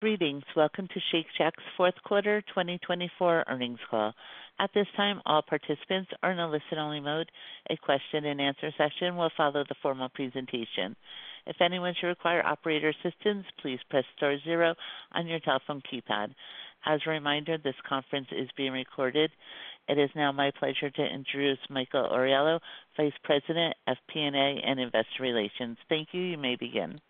Greetings. Welcome to Shake Shack's Fourth Quarter 2024 Earnings Call. At this time, all participants are in a listen-only mode. A question-and-answer session will follow the formal presentation. If anyone should require operator assistance, please press star zero on your telephone keypad. As a reminder, this conference is being recorded. It is now my pleasure to introduce Michael Oriolo, Vice President of FP&A and Investor Relations. Thank you. You may begin.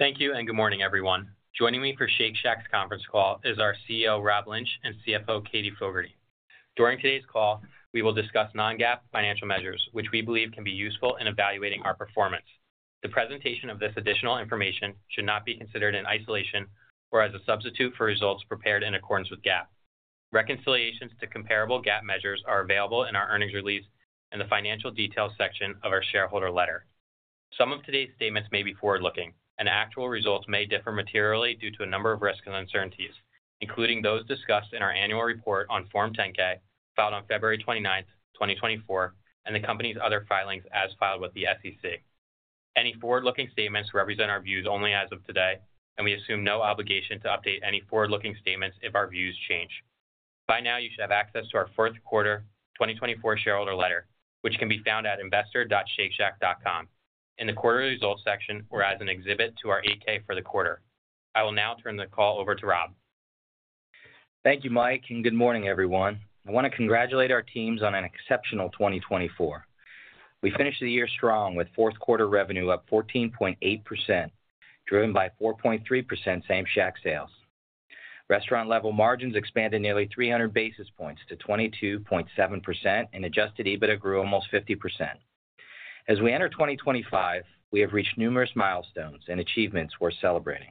Thank you, and good morning, everyone. Joining me for Shake Shack's conference call is our CEO, Rob Lynch, and CFO, Katie Fogertey. During today's call, we will discuss non-GAAP financial measures, which we believe can be useful in evaluating our performance. The presentation of this additional information should not be considered in isolation or as a substitute for results prepared in accordance with GAAP. Reconciliations to comparable GAAP measures are available in our earnings release and the financial details section of our shareholder letter. Some of today's statements may be forward-looking, and actual results may differ materially due to a number of risk uncertainties, including those discussed in our annual report on Form 10-K filed on February 29, 2024, and the company's other filings as filed with the SEC. Any forward-looking statements represent our views only as of today, and we assume no obligation to update any forward-looking statements if our views change. By now, you should have access to our fourth quarter 2024 shareholder letter, which can be found at investor.shakeshack.com, in the quarterly results section, or as an exhibit to our 8-K for the quarter. I will now turn the call over to Rob. Thank you, Mike, and good morning, everyone. I want to congratulate our teams on an exceptional 2024. We finished the year strong with fourth quarter revenue up 14.8%, driven by 4.3% Same-Shack Sales. Restaurant-Level Margins expanded nearly 300 basis points to 22.7%, and Adjusted EBITDA grew almost 50%. As we enter 2025, we have reached numerous milestones and achievements worth celebrating.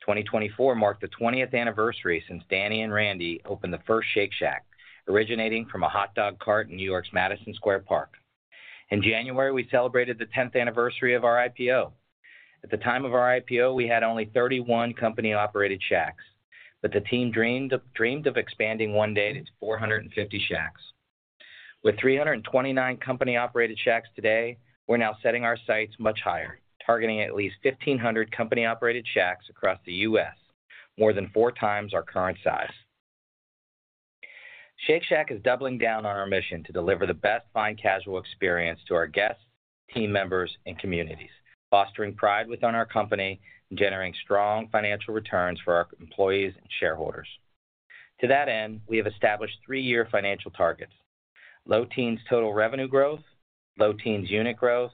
2024 marked the 20th anniversary since Danny and Randy opened the first Shake Shack, originating from a hot dog cart in New York's Madison Square Park. In January, we celebrated the 10th anniversary of our IPO. At the time of our IPO, we had only 31 Company-Operated Shacks, but the team dreamed of expanding one day to 450 Shacks. With 329 Company-Operated Shacks today, we're now setting our sights much higher, targeting at least 1,500 Company-Operated Shacks across the U.S., more than four times our current size. Shake Shack is doubling down on our mission to deliver the best Fine Casual experience to our guests, team members, and communities, fostering pride within our company, and generating strong financial returns for our employees and shareholders. To that end, we have established three-year financial targets: low teens total revenue growth, low teens unit growth,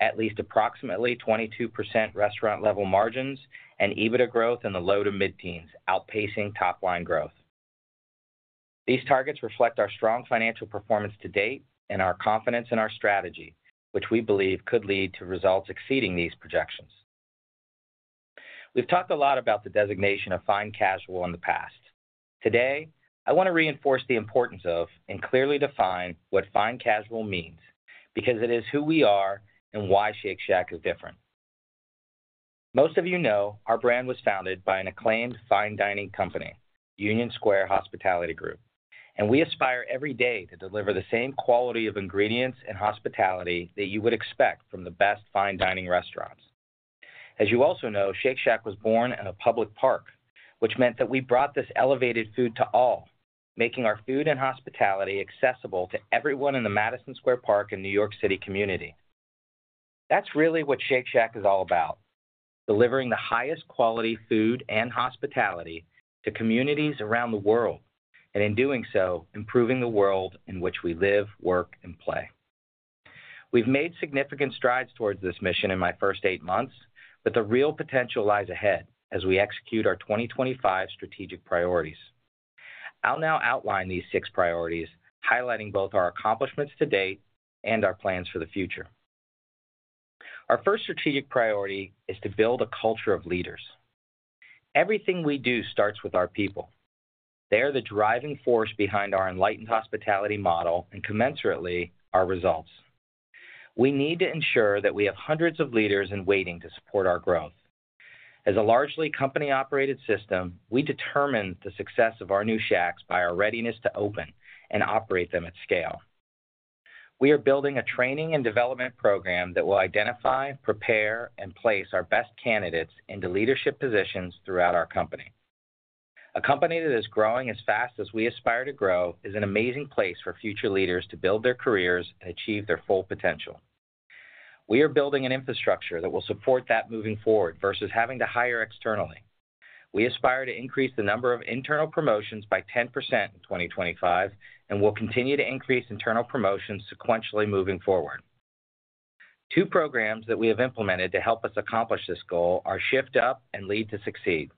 at least approximately 22% Restaurant-Level Margins, and EBITDA growth in the low to mid-teens, outpacing top-line growth. These targets reflect our strong financial performance to date and our confidence in our strategy, which we believe could lead to results exceeding these projections. We've talked a lot about the designation of Fine Casual in the past. Today, I want to reinforce the importance of and clearly define what Fine Casual means, because it is who we are and why Shake Shack is different. Most of you know our brand was founded by an acclaimed fine dining company, Union Square Hospitality Group, and we aspire every day to deliver the same quality of ingredients and hospitality that you would expect from the best fine dining restaurants. As you also know, Shake Shack was born in a public park, which meant that we brought this elevated food to all, making our food and hospitality accessible to everyone in the Madison Square Park and New York City community. That's really what Shake Shack is all about: delivering the highest quality food and hospitality to communities around the world, and in doing so, improving the world in which we live, work, and play. We've made significant strides towards this mission in my first eight months, but the real potential lies ahead as we execute our 2025 strategic priorities. I'll now outline these six priorities, highlighting both our accomplishments to date and our plans for the future. Our first strategic priority is to build a culture of leaders. Everything we do starts with our people. They are the driving force behind our enlightened hospitality model and, commensurately, our results. We need to ensure that we have hundreds of leaders in waiting to support our growth. As a largely Company-Operated system, we determine the success of our new Shacks by our readiness to open and operate them at scale. We are building a training and development program that will identify, prepare, and place our best candidates into leadership positions throughout our company. A company that is growing as fast as we aspire to grow is an amazing place for future leaders to build their careers and achieve their full potential. We are building an infrastructure that will support that moving forward versus having to hire externally. We aspire to increase the number of internal promotions by 10% in 2025, and we'll continue to increase internal promotions sequentially moving forward. Two programs that we have implemented to help us accomplish this goal are Shift Up and Lead to Succeed.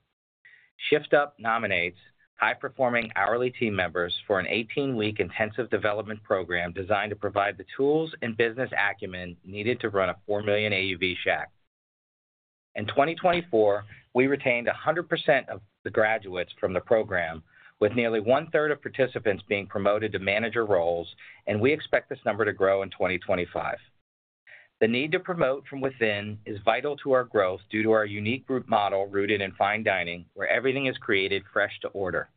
Shift Up nominates high-performing hourly team members for an 18-week intensive development program designed to provide the tools and business acumen needed to run a 4 million AUV Shack. In 2024, we retained 100% of the graduates from the program, with nearly one-third of participants being promoted to manager roles, and we expect this number to grow in 2025. The need to promote from within is vital to our growth due to our unique group model rooted in fine dining, where everything is created fresh to order.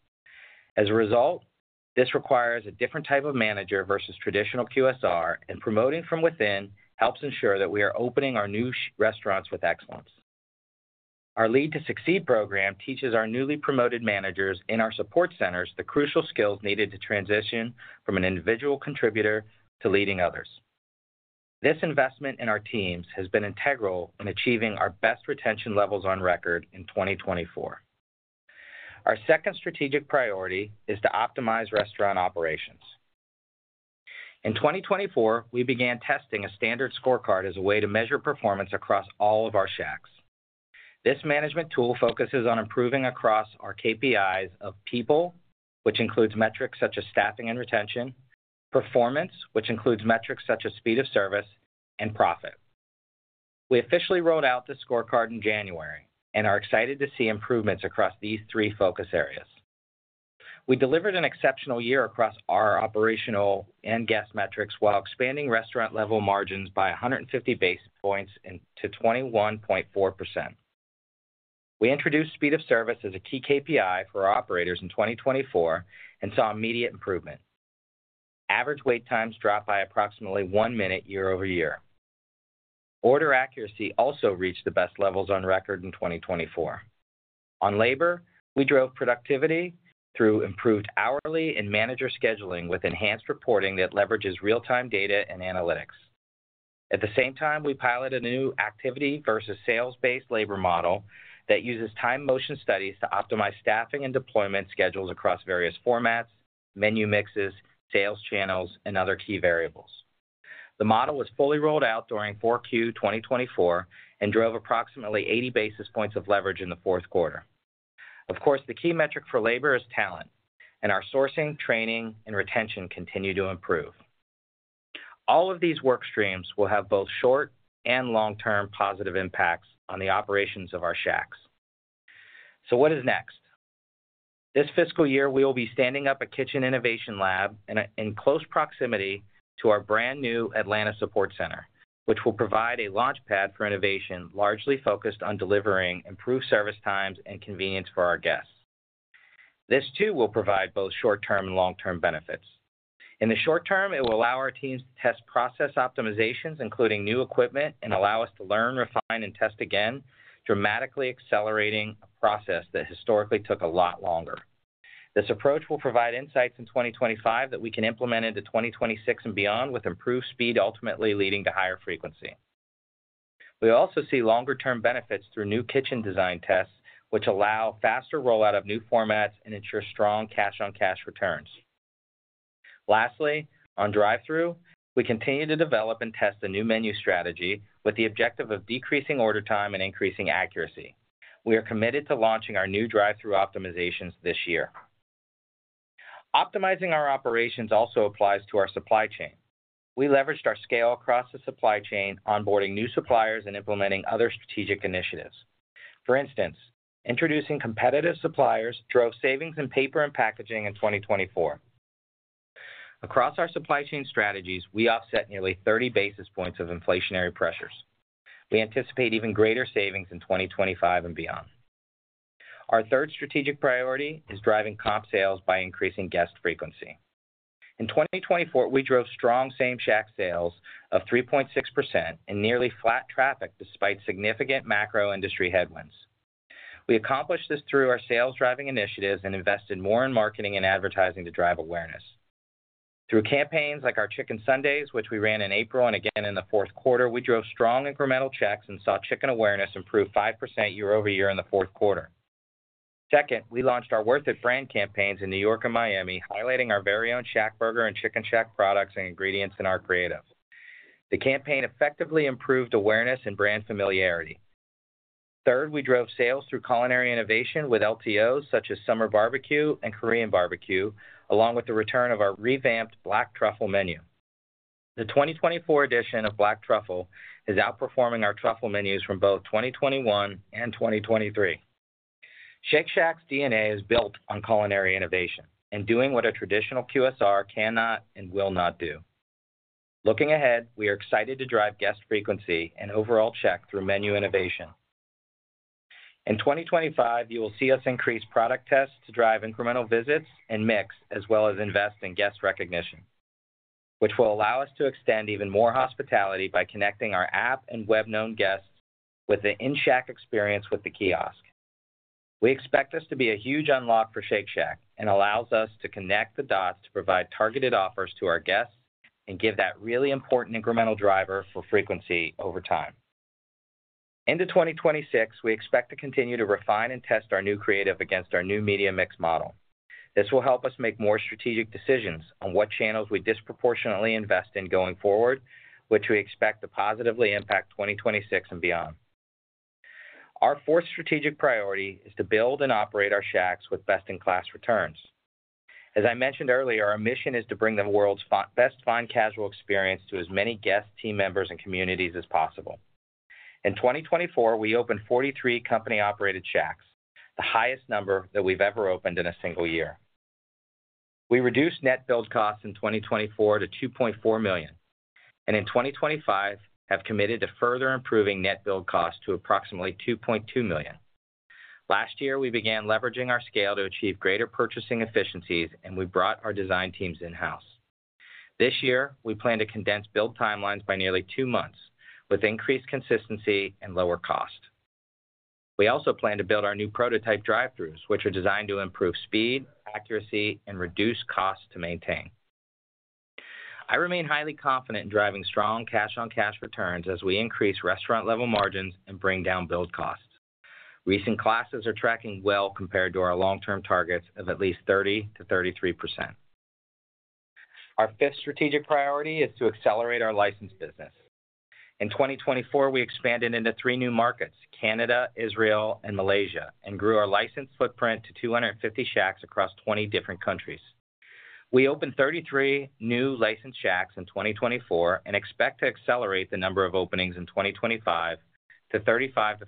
As a result, this requires a different type of manager versus traditional QSR, and promoting from within helps ensure that we are opening our new restaurants with excellence. Our Lead to Succeed program teaches our newly promoted managers in our support centers the crucial skills needed to transition from an individual contributor to leading others. This investment in our teams has been integral in achieving our best retention levels on record in 2024. Our second strategic priority is to optimize restaurant operations. In 2024, we began testing a standard scorecard as a way to measure performance across all of our Shacks. This management tool focuses on improving across our KPIs of people, which includes metrics such as staffing and retention, performance, which includes metrics such as speed of service, and profit. We officially rolled out the scorecard in January and are excited to see improvements across these three focus areas. We delivered an exceptional year across our operational and guest metrics while expanding Restaurant-Level Margins by 150 basis points to 21.4%. We introduced speed of service as a key KPI for our operators in 2024 and saw immediate improvement. Average wait times dropped by approximately one minute year-over-year. Order accuracy also reached the best levels on record in 2024. On labor, we drove productivity through improved hourly and manager scheduling with enhanced reporting that leverages real-time data and analytics. At the same time, we piloted a new activity versus sales-based labor model that uses time motion studies to optimize staffing and deployment schedules across various formats, menu mixes, sales channels, and other key variables. The model was fully rolled out during 4Q 2024 and drove approximately 80 basis points of leverage in the fourth quarter. Of course, the key metric for labor is talent, and our sourcing, training, and retention continue to improve. All of these work streams will have both short- and long-term positive impacts on the operations of our Shacks. So what is next? This fiscal year, we will be standing up a kitchen innovation lab in close proximity to our brand new Atlanta Shack Support Center, which will provide a launchpad for innovation largely focused on delivering improved service times and convenience for our guests. This, too, will provide both short-term and long-term benefits. In the short term, it will allow our teams to test process optimizations, including new equipment, and allow us to learn, refine, and test again, dramatically accelerating a process that historically took a lot longer. This approach will provide insights in 2025 that we can implement into 2026 and beyond, with improved speed ultimately leading to higher frequency. We also see longer-term benefits through new kitchen design tests, which allow faster rollout of new formats and ensure strong cash-on-cash returns. Lastly, on Drive-Thru, we continue to develop and test a new menu strategy with the objective of decreasing order time and increasing accuracy. We are committed to launching our new Drive-Thru optimizations this year. Optimizing our operations also applies to our supply chain. We leveraged our scale across the supply chain, onboarding new suppliers and implementing other strategic initiatives. For instance, introducing competitive suppliers drove savings in paper and packaging in 2024. Across our supply chain strategies, we offset nearly 30 basis points of inflationary pressures. We anticipate even greater savings in 2025 and beyond. Our third strategic priority is driving comp sales by increasing guest frequency. In 2024, we drove strong Same-Shack Sales of 3.6% and nearly flat traffic despite significant macro-industry headwinds. We accomplished this through our sales-driving initiatives and invested more in marketing and advertising to drive awareness. Through campaigns like our Chicken Sundays, which we ran in April and again in the fourth quarter, we drove strong incremental checks and saw chicken awareness improve 5% year over year in the fourth quarter. Second, we launched our Worth It brand campaigns in New York and Miami, highlighting our very own ShackBurger and Chicken Shack products and ingredients in our creative. The campaign effectively improved awareness and brand familiarity. Third, we drove sales through culinary innovation with LTOs such as Summer Barbecue and Korean Barbecue, along with the return of our revamped Black Truffle menu. The 2024 edition of Black Truffle is outperforming our Truffle menus from both 2021 and 2023. Shake Shack's DNA is built on culinary innovation and doing what a traditional QSR cannot and will not do. Looking ahead, we are excited to drive guest frequency and overall check through menu innovation. In 2025, you will see us increase product tests to drive incremental visits and mix, as well as invest in guest recognition, which will allow us to extend even more hospitality by connecting our app and web-owned guests with the in-Shack experience with the kiosk. We expect this to be a huge unlock for Shake Shack and allows us to connect the dots to provide targeted offers to our guests and give that really important incremental driver for frequency over time. Into 2026, we expect to continue to refine and test our new creative against our new media mix model. This will help us make more strategic decisions on what channels we disproportionately invest in going forward, which we expect to positively impact 2026 and beyond. Our fourth strategic priority is to build and operate our Shacks with best-in-class returns. As I mentioned earlier, our mission is to bring the world's best Fine Casual experience to as many guests, team members, and communities as possible. In 2024, we opened 43 company-operated Shacks, the highest number that we've ever opened in a single year. We reduced net build costs in 2024 to $2.4 million, and in 2025, have committed to further improving net build costs to approximately $2.2 million. Last year, we began leveraging our scale to achieve greater purchasing efficiencies, and we brought our design teams in-house. This year, we plan to condense build timelines by nearly two months, with increased consistency and lower cost. We also plan to build our new prototype Drive-Thrus, which are designed to improve speed, accuracy, and reduce costs to maintain. I remain highly confident in driving strong cash-on-cash returns as we increase Restaurant-Level Margins and bring down build costs. Recent classes are tracking well compared to our long-term targets of at least 30%-33%. Our fifth strategic priority is to accelerate our license business. In 2024, we expanded into three new markets: Canada, Israel, and Malaysia, and grew our license footprint to 250 Shacks across 20 different countries. We opened 33 new Licensed Shacks in 2024 and expect to accelerate the number of openings in 2025 to 35-40.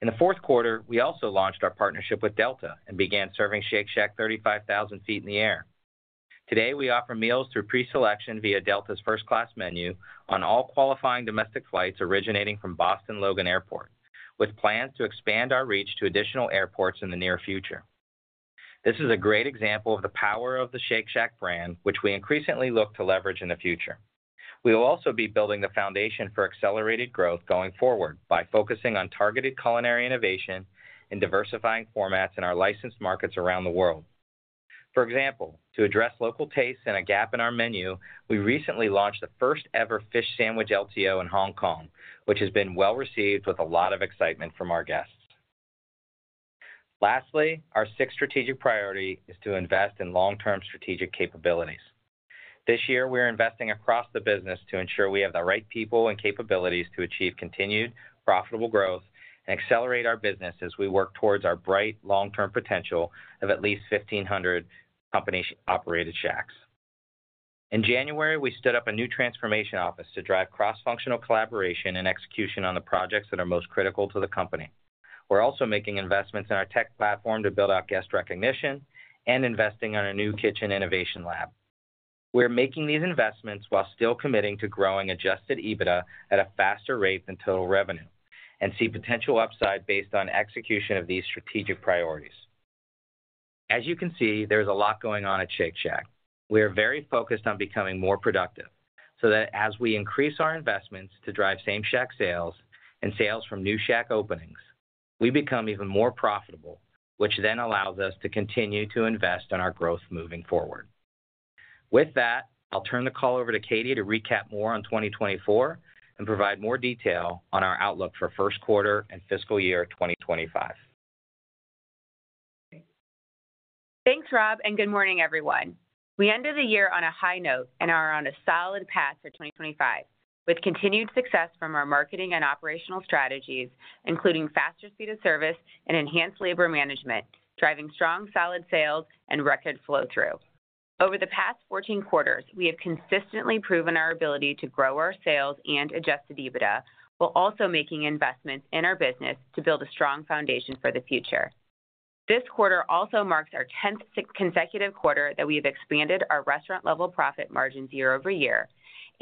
In the fourth quarter, we also launched our partnership with Delta and began serving Shake Shack 35,000 feet in the air. Today, we offer meals through pre-selection via Delta's first-class menu on all qualifying domestic flights originating from Boston Logan Airport, with plans to expand our reach to additional airports in the near future. This is a great example of the power of the Shake Shack brand, which we increasingly look to leverage in the future. We will also be building the foundation for accelerated growth going forward by focusing on targeted culinary innovation and diversifying formats in our licensed markets around the world. For example, to address local tastes and a gap in our menu, we recently launched the first-ever fish sandwich LTO in Hong Kong, which has been well received with a lot of excitement from our guests. Lastly, our sixth strategic priority is to invest in long-term strategic capabilities. This year, we are investing across the business to ensure we have the right people and capabilities to achieve continued profitable growth and accelerate our business as we work towards our bright long-term potential of at least 1,500 Company-Operated Shacks. In January, we stood up a new transformation office to drive cross-functional collaboration and execution on the projects that are most critical to the company. We're also making investments in our tech platform to build out guest recognition and investing in a new kitchen innovation lab. We're making these investments while still committing to growing Adjusted EBITDA at a faster rate than total revenue and see potential upside based on execution of these strategic priorities. As you can see, there is a lot going on at Shake Shack. We are very focused on becoming more productive so that as we increase our investments to drive Same-Shack Sales and sales from new Shack openings, we become even more profitable, which then allows us to continue to invest in our growth moving forward. With that, I'll turn the call over to Katie to recap more on 2024 and provide more detail on our outlook for first quarter and fiscal year 2025. Thanks, Rob, and good morning, everyone. We ended the year on a high note and are on a solid path for 2025, with continued success from our marketing and operational strategies, including faster speed of service and enhanced labor management, driving strong, solid sales and record flow-through. Over the past 14 quarters, we have consistently proven our ability to grow our sales and Adjusted EBITDA while also making investments in our business to build a strong foundation for the future. This quarter also marks our 10th consecutive quarter that we have expanded our Restaurant-Level Margins year-over-year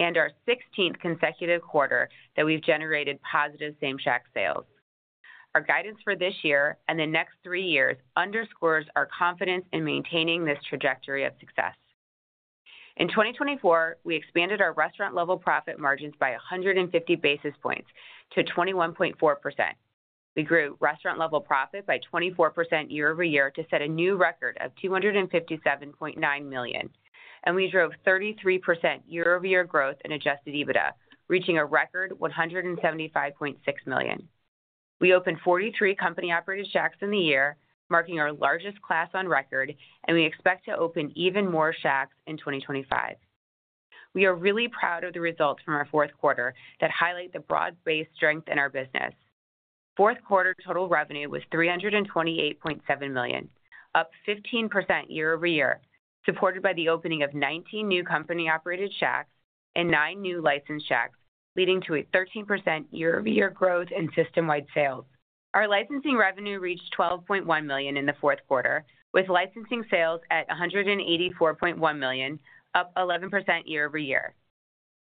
and our 16th consecutive quarter that we've generated positive Same-Shack Sales. Our guidance for this year and the next three years underscores our confidence in maintaining this trajectory of success. In 2024, we expanded our Restaurant-Level Profit margins by 150 basis points to 21.4%. We grew Restaurant-Level Profit by 24% year-over-year to set a new record of $257.9 million, and we drove 33% year-over-year growth in Adjusted EBITDA, reaching a record $175.6 million. We opened 43 Company-Operated Shacks in the year, marking our largest class on record, and we expect to open even more Shacks in 2025. We are really proud of the results from our fourth quarter that highlight the broad-based strength in our business. Fourth quarter total revenue was $328.7 million, up 15% year-over-year, supported by the opening of 19 new company-operated Shacks and 9 new Licensed Shacks, leading to a 13% year-over-year growth in System-wide Sales. Our licensing revenue reached $12.1 million in the fourth quarter, with licensing sales at $184.1 million, up 11% year-over-year.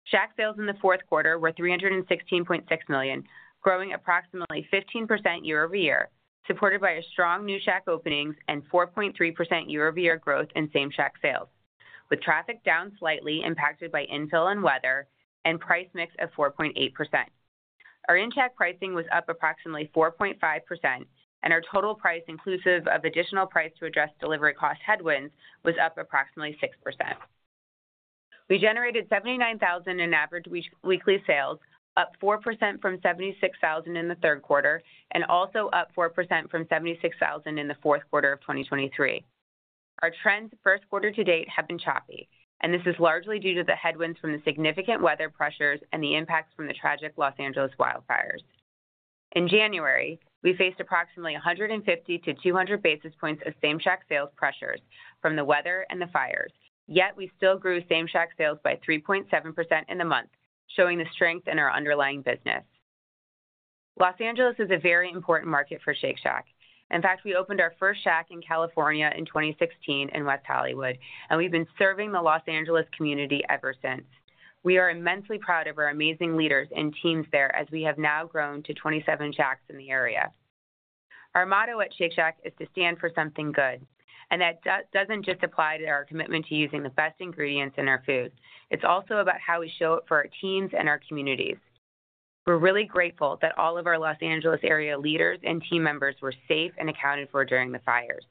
Shack sales in the fourth quarter were $316.6 million, growing approximately 15% year-over-year, supported by a strong new shack openings and 4.3% year-over-year growth in Same-Shack Sales, with traffic down slightly impacted by infill and weather and price mix of 4.8%. Our in-Shack pricing was up approximately 4.5%, and our total price inclusive of additional price to address delivery cost headwinds was up approximately 6%. We generated $79,000 in average weekly sales, up 4% from $76,000 in the third quarter, and also up 4% from $76,000 in the fourth quarter of 2023. Our trends first quarter to date have been choppy, and this is largely due to the headwinds from the significant weather pressures and the impacts from the tragic Los Angeles wildfires. In January, we faced approximately 150 to 200 basis points of Same-Shack Sales pressures from the weather and the fires, yet we still grew Same-Shack Sales by 3.7% in the month, showing the strength in our underlying business. Los Angeles is a very important market for Shake Shack. In fact, we opened our first Shack in California in 2016 in West Hollywood, and we've been serving the Los Angeles community ever since. We are immensely proud of our amazing leaders and teams there as we have now grown to 27 Shacks in the area. Our motto at Shake Shack is to stand for something good, and that doesn't just apply to our commitment to using the best ingredients in our food. It's also about how we show it for our teams and our communities. We're really grateful that all of our Los Angeles area leaders and team members were safe and accounted for during the fires.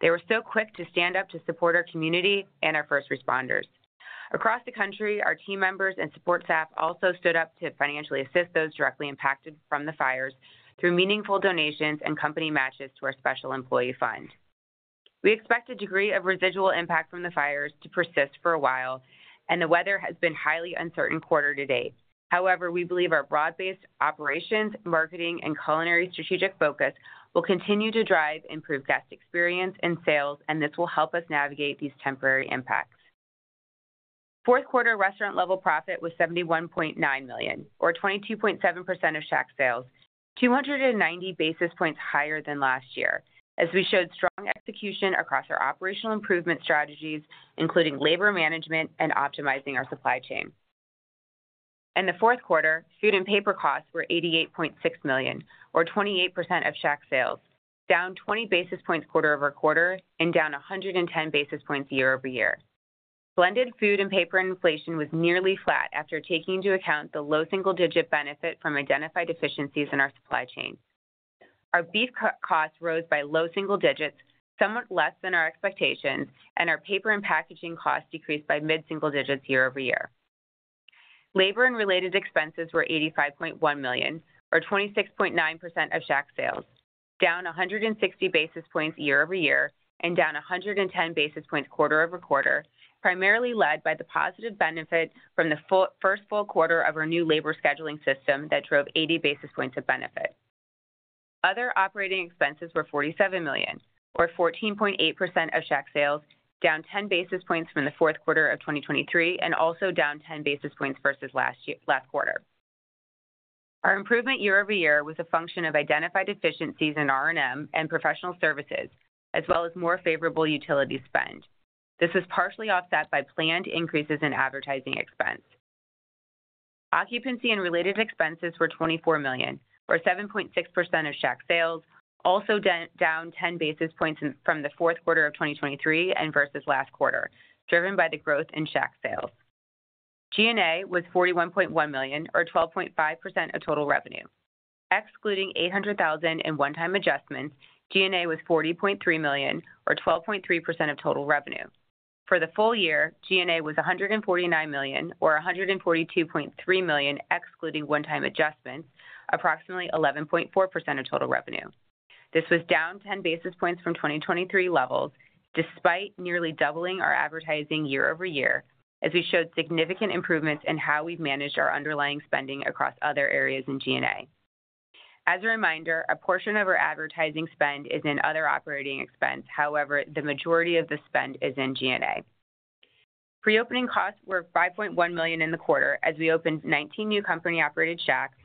They were so quick to stand up to support our community and our first responders. Across the country, our team members and support staff also stood up to financially assist those directly impacted from the fires through meaningful donations and company matches to our special employee fund. We expect a degree of residual impact from the fires to persist for a while, and the weather has been highly uncertain quarter-to-date. However, we believe our broad-based operations, marketing, and culinary strategic focus will continue to drive improved guest experience and sales, and this will help us navigate these temporary impacts. Fourth quarter Restaurant-Level Profit was $71.9 million, or 22.7% of Shack sales, 290 basis points higher than last year, as we showed strong execution across our operational improvement strategies, including labor management and optimizing our supply chain. In the fourth quarter, food and paper costs were $88.6 million, or 28% of Shack sales, down 20 basis points quarter-over-quarter and down 110 basis points year over year. Blended food and paper inflation was nearly flat after taking into account the low single-digit benefit from identified deficiencies in our supply chain. Our beef costs rose by low single digits, somewhat less than our expectations, and our paper and packaging costs decreased by mid-single digits year-over-year. Labor and related expenses were $85.1 million, or 26.9% of Shack sales, down 160 basis points year-over-year and down 110 basis points quarter-over-quarter, primarily led by the positive benefit from the first full quarter of our new labor scheduling system that drove 80 basis points of benefit. Other operating expenses were $47 million, or 14.8% of Shack sales, down 10 basis points from the fourth quarter of 2023 and also down 10 basis points versus last quarter. Our improvement year over year was a function of identified deficiencies in R&M and professional services, as well as more favorable utility spend. This was partially offset by planned increases in advertising expense. Occupancy and related expenses were $24 million, or 7.6% of Shack sales, also down 10 basis points from the fourth quarter of 2023 and versus last quarter, driven by the growth in Shack sales. G&A was $41.1 million, or 12.5% of total revenue. Excluding $800,000 in one-time adjustments, G&A was $40.3 million, or 12.3% of total revenue. For the full year, G&A was $149 million, or $142.3 million, excluding one-time adjustments, approximately 11.4% of total revenue. This was down 10 basis points from 2023 levels, despite nearly doubling our advertising year-over-year, as we showed significant improvements in how we've managed our underlying spending across other areas in G&A. As a reminder, a portion of our advertising spend is in other operating expense. However, the majority of the spend is in G&A. Pre-opening costs were $5.1 million in the quarter. As we opened 19 new Company-Operated Shacks,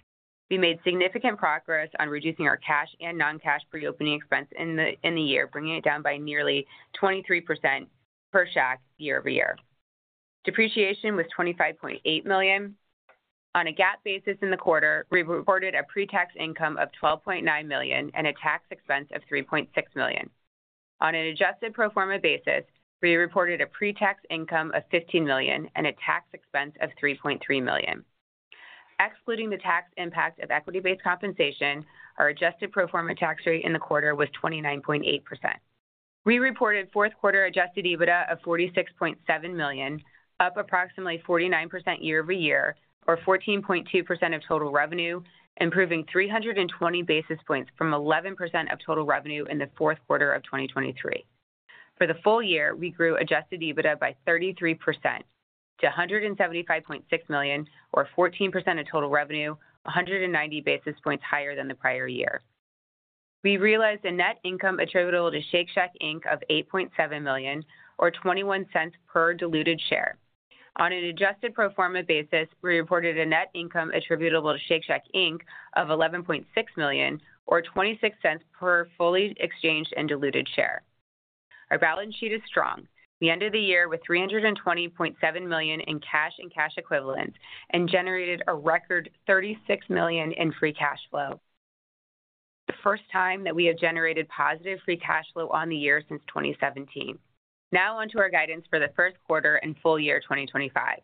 we made significant progress on reducing our cash and non-cash pre-opening expense in the year, bringing it down by nearly 23% per Shack year-over-year. Depreciation was $25.8 million. On a GAAP basis in the quarter, we reported a pre-tax income of $12.9 million and a tax expense of $3.6 million. On an adjusted pro forma basis, we reported a pre-tax income of $15 million and a tax expense of $3.3 million. Excluding the tax impact of equity-based compensation, our adjusted pro forma tax rate in the quarter was 29.8%. We reported fourth quarter Adjusted EBITDA of $46.7 million, up approximately 49% year-over-year, or 14.2% of total revenue, improving 320 basis points from 11% of total revenue in the fourth quarter of 2023. For the full year, we grew Adjusted EBITDA by 33% to $175.6 million, or 14% of total revenue, 190 basis points higher than the prior year. We realized a net income attributable to Shake Shack Inc of $8.7 million, or $0.21 per diluted share. On an adjusted pro forma basis, we reported a net income attributable to Shake Shack Inc of $11.6 million, or $0.26 per fully exchanged and diluted share. Our balance sheet is strong. We ended the year with $320.7 million in cash and cash equivalents and generated a record $36 million in free cash flow. The first time that we have generated positive free cash flow on the year since 2017. Now onto our guidance for the first quarter and full year 2025.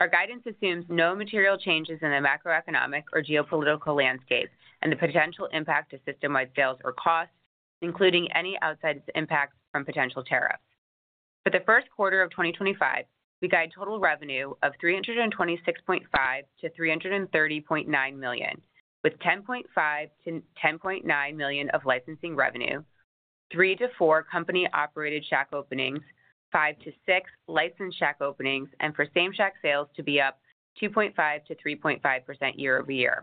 Our guidance assumes no material changes in the macroeconomic or geopolitical landscape and the potential impact of System-wide Sales or costs, including any outside impacts from potential tariffs. For the first quarter of 2025, we guide total revenue of $326.5 million-$330.9 million, with $10.5 million-$10.9 million of licensing revenue, three to four Company-Operated Shack openings, five to six Licensed Shack openings, and for Same-Shack Sales to be up 2.5%-3.5% year-over-year.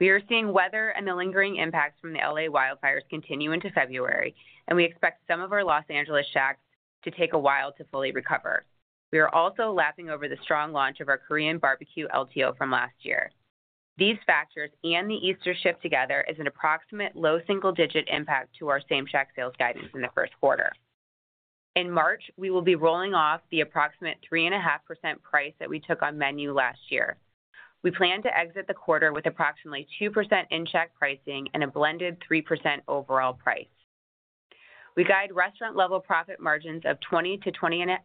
We are seeing weather and the lingering impacts from the Los Angeles wildfires continue into February, and we expect some of our Los Angeles Shacks to take a while to fully recover. We are also lapping over the strong launch of our Korean barbecue LTO from last year. These factors and the Easter shift together is an approximate low single-digit impact to our Same-Shack Sales guidance in the first quarter. In March, we will be rolling off the approximate 3.5% price that we took on menu last year. We plan to exit the quarter with approximately 2% in-Shack pricing and a blended 3% overall price. We guide Restaurant-Level Profit margins of 20-20.5%,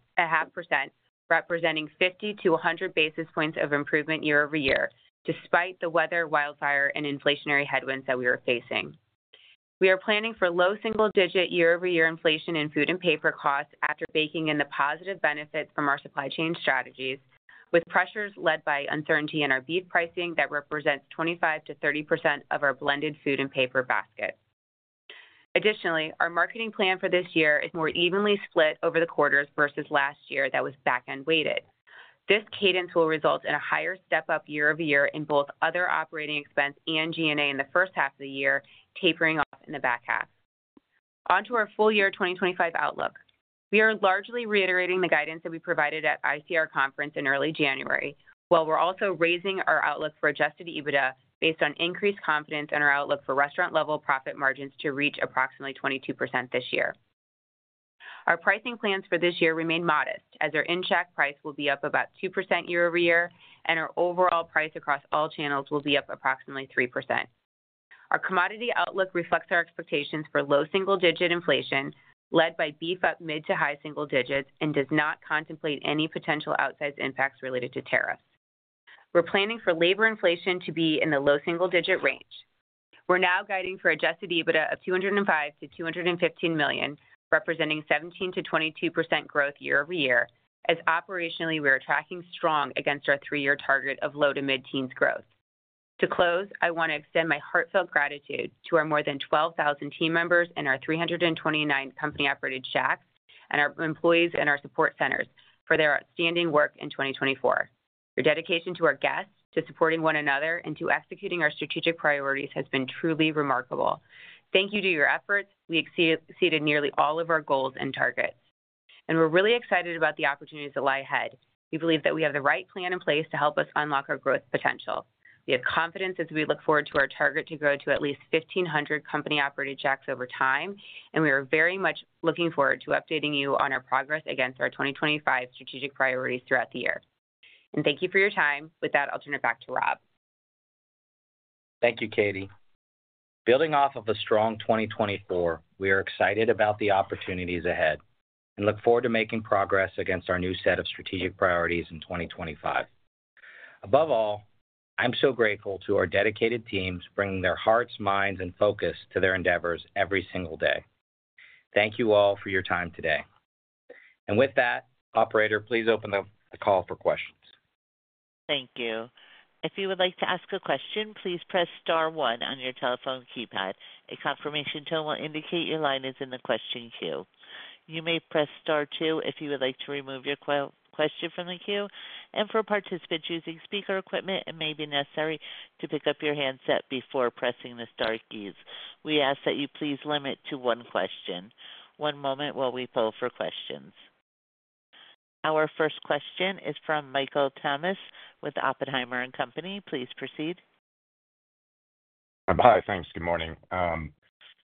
representing 50 to 100 basis points of improvement year-over-year, despite the weather, wildfire, and inflationary headwinds that we are facing. We are planning for low single-digit year-over-year inflation in food and paper costs after baking in the positive benefits from our supply chain strategies, with pressures led by uncertainty in our beef pricing that represents 25-30% of our blended food and paper basket. Additionally, our marketing plan for this year is more evenly split over the quarters versus last year that was back-end weighted. This cadence will result in a higher step-up year-over-year in both other operating expense and G&A in the first half of the year, tapering off in the back half. Onto our full year 2025 outlook. We are largely reiterating the guidance that we provided at ICR Conference in early January, while we're also raising our outlook for Adjusted EBITDA based on increased confidence in our outlook for Restaurant-Level Profit margins to reach approximately 22% this year. Our pricing plans for this year remain modest, as our in-Shack price will be up about 2% year-over-year, and our overall price across all channels will be up approximately 3%. Our commodity outlook reflects our expectations for low single-digit inflation, led by beef up mid to high single digits, and does not contemplate any potential outsized impacts related to tariffs. We're planning for labor inflation to be in the low single-digit range. We're now guiding for Adjusted EBITDA of $205 million-$215 million, representing 17%-22% growth year-over-year, as operationally we are tracking strong against our three-year target of low to mid-teens growth. To close, I want to extend my heartfelt gratitude to our more than 12,000 team members and our 329 Company-Operated Shacks, and our employees and our support centers for their outstanding work in 2024. Your dedication to our guests, to supporting one another, and to executing our strategic priorities has been truly remarkable. Thank you to your efforts. We exceeded nearly all of our goals and targets, and we're really excited about the opportunities that lie ahead. We believe that we have the right plan in place to help us unlock our growth potential. We have confidence as we look forward to our target to grow to at least 1,500 Company-Operated Shacks over time, and we are very much looking forward to updating you on our progress against our 2025 strategic priorities throughout the year. And thank you for your time. With that, I'll turn it back to Rob. Thank you, Katie. Building off of a strong 2024, we are excited about the opportunities ahead and look forward to making progress against our new set of strategic priorities in 2025. Above all, I'm so grateful to our dedicated teams bringing their hearts, minds, and focus to their endeavors every single day. Thank you all for your time today. And with that, Operator, please open the call for questions. Thank you. If you would like to ask a question, please press star one on your telephone keypad. A confirmation tone will indicate your line is in the question queue. You may press star two if you would like to remove your question from the queue. And for participants using speaker equipment, it may be necessary to pick up your handset before pressing the star keys. We ask that you please limit to one question. One moment while we poll for questions. Our first question is from Michael Tamas with Oppenheimer & Co. Please proceed. Hi, thanks. Good morning.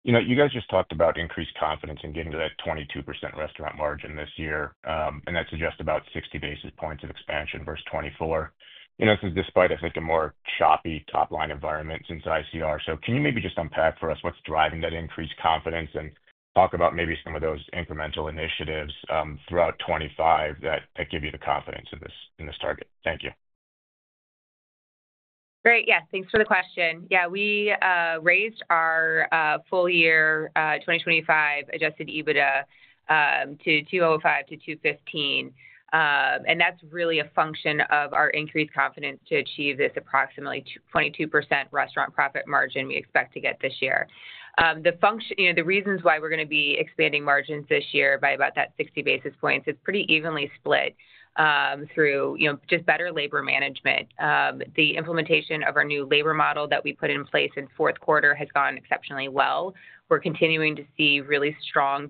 You guys just talked about increased confidence in getting to that 22% restaurant margin this year, and that suggests about 60 basis points of expansion versus 24. This is despite, I think, a more choppy top-line environment since ICR. So can you maybe just unpack for us what's driving that increased confidence and talk about maybe some of those incremental initiatives throughout 2025 that give you the confidence in this target? Thank you. Great. Yes, thanks for the question. Yeah, we raised our full year 2025 Adjusted EBITDA to $205-$215. And that's really a function of our increased confidence to achieve this approximately 22% restaurant profit margin we expect to get this year. The reasons why we're going to be expanding margins this year by about that 60 basis points is pretty evenly split through just better labor management. The implementation of our new labor model that we put in place in fourth quarter has gone exceptionally well. We're continuing to see really strong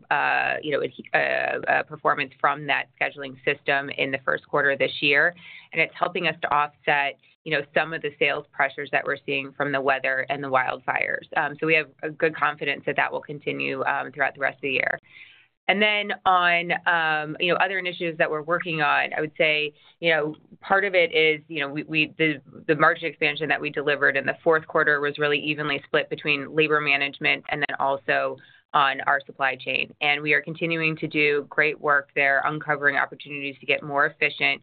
performance from that scheduling system in the first quarter of this year, and it's helping us to offset some of the sales pressures that we're seeing from the weather and the wildfires. So we have good confidence that that will continue throughout the rest of the year. And then on other initiatives that we're working on, I would say part of it is the margin expansion that we delivered in the fourth quarter was really evenly split between labor management and then also on our supply chain. And we are continuing to do great work there, uncovering opportunities to get more efficient,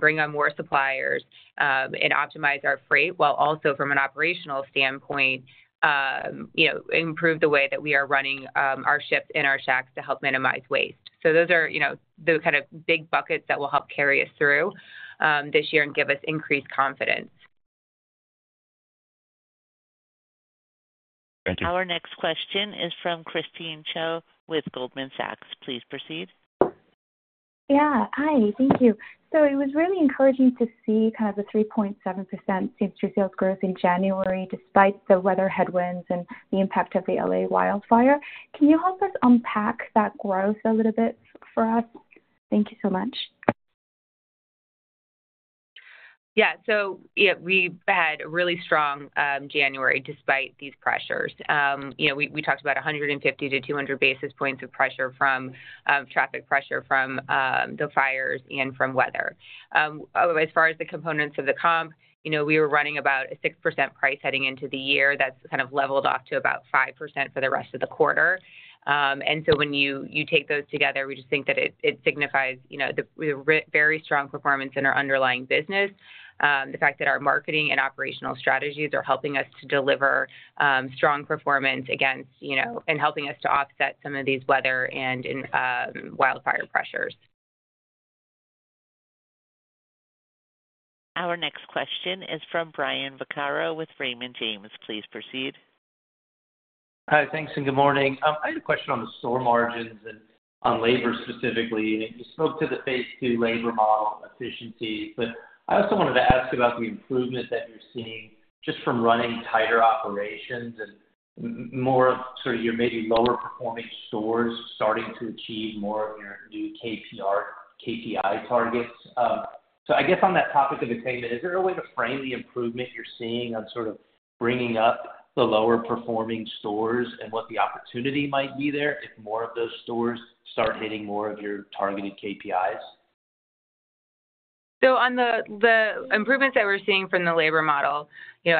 bring on more suppliers, and optimize our freight while also, from an operational standpoint, improve the way that we are running our shifts and our Shacks to help minimize waste. So those are the kind of big buckets that will help carry us through this year and give us increased confidence. Thank you. Our next question is from Christine Cho with Goldman Sachs. Please proceed. Yeah. Hi. Thank you. So it was really encouraging to see kind of the 3.7% Same-Shack Sales growth in January despite the weather headwinds and the impact of the LA wildfire. Can you help us unpack that growth a little bit for us? Thank you so much. Yeah. So we had a really strong January despite these pressures. We talked about 150 to 200 basis points of pressure from traffic pressure, from the fires, and from weather. As far as the components of the comp, we were running about a 6% price heading into the year. That's kind of leveled off to about 5% for the rest of the quarter. And so when you take those together, we just think that it signifies the very strong performance in our underlying business, the fact that our marketing and operational strategies are helping us to deliver strong performance against and helping us to offset some of these weather and wildfire pressures. Our next question is from Brian Vaccaro with Raymond James. Please proceed. Hi, thanks, and good morning. I had a question on the store margins and on labor specifically. You spoke to the phase two labor model efficiencies, but I also wanted to ask about the improvement that you're seeing just from running tighter operations and more of sort of your maybe lower-performing stores starting to achieve more of your new KPI targets. So I guess on that topic of attainment, is there a way to frame the improvement you're seeing on sort of bringing up the lower-performing stores and what the opportunity might be there if more of those stores start hitting more of your targeted KPIs? So on the improvements that we're seeing from the labor model, I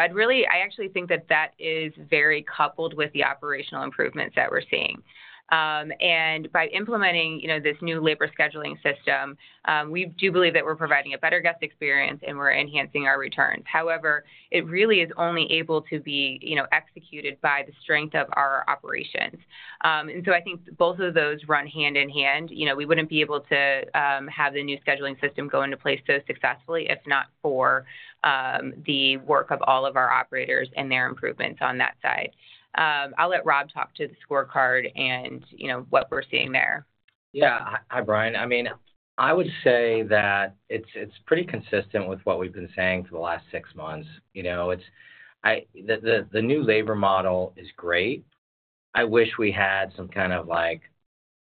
actually think that that is very coupled with the operational improvements that we're seeing. And by implementing this new labor scheduling system, we do believe that we're providing a better guest experience and we're enhancing our returns. However, it really is only able to be executed by the strength of our operations. And so I think both of those run hand in hand. We wouldn't be able to have the new scheduling system go into place so successfully if not for the work of all of our operators and their improvements on that side. I'll let Rob talk to the scorecard and what we're seeing there. Yeah. Hi, Brian. I mean, I would say that it's pretty consistent with what we've been saying for the last six months. The new labor model is great. I wish we had some kind of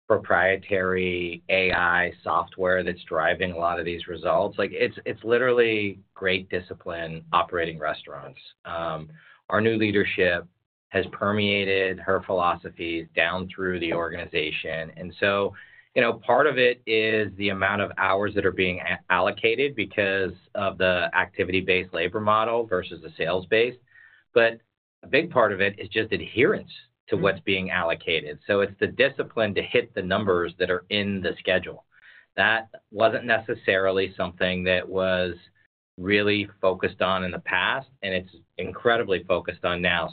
proprietary AI software that's driving a lot of these results. It's literally great discipline operating restaurants. Our new leadership has permeated their philosophies down through the organization. And so part of it is the amount of hours that are being allocated because of the activity-based labor model versus the sales-based. But a big part of it is just adherence to what's being allocated. It's the discipline to hit the numbers that are in the schedule. That wasn't necessarily something that was really focused on in the past, and it's incredibly focused on now.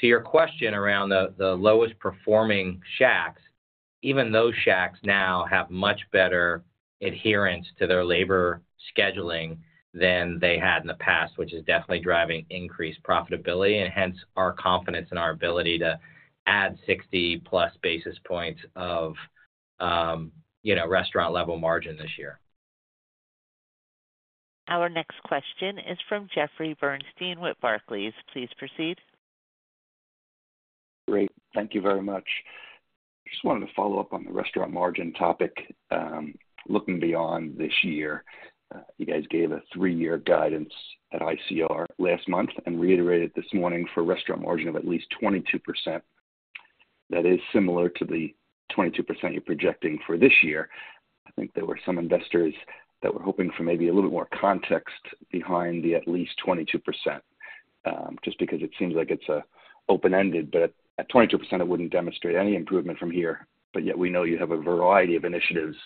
To your question around the lowest performing Shacks, even those Shacks now have much better adherence to their labor scheduling than they had in the past, which is definitely driving increased profitability and hence our confidence in our ability to add 60-plus basis points of Restaurant-Level Margin this year. Our next question is from Jeffrey Bernstein with Barclays. Please proceed. Great. Thank you very much. Just wanted to follow up on the restaurant margin topic. Looking beyond this year, you guys gave a three-year guidance at ICR last month and reiterated this morning for restaurant margin of at least 22%. That is similar to the 22% you're projecting for this year. I think there were some investors that were hoping for maybe a little bit more context behind the at least 22% just because it seems like it's open-ended, but at 22%, it wouldn't demonstrate any improvement from here. But yet we know you have a variety of initiatives,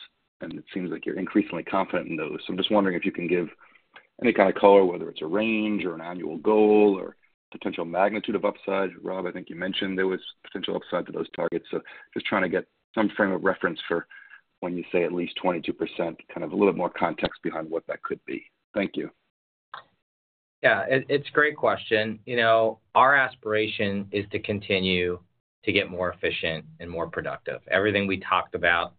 and it seems like you're increasingly confident in those. So I'm just wondering if you can give any kind of color, whether it's a range or an annual goal or potential magnitude of upside. Rob, I think you mentioned there was potential upside to those targets. So just trying to get some frame of reference for when you say at least 22%, kind of a little bit more context behind what that could be. Thank you. Yeah. It's a great question. Our aspiration is to continue to get more efficient and more productive. Everything we talked about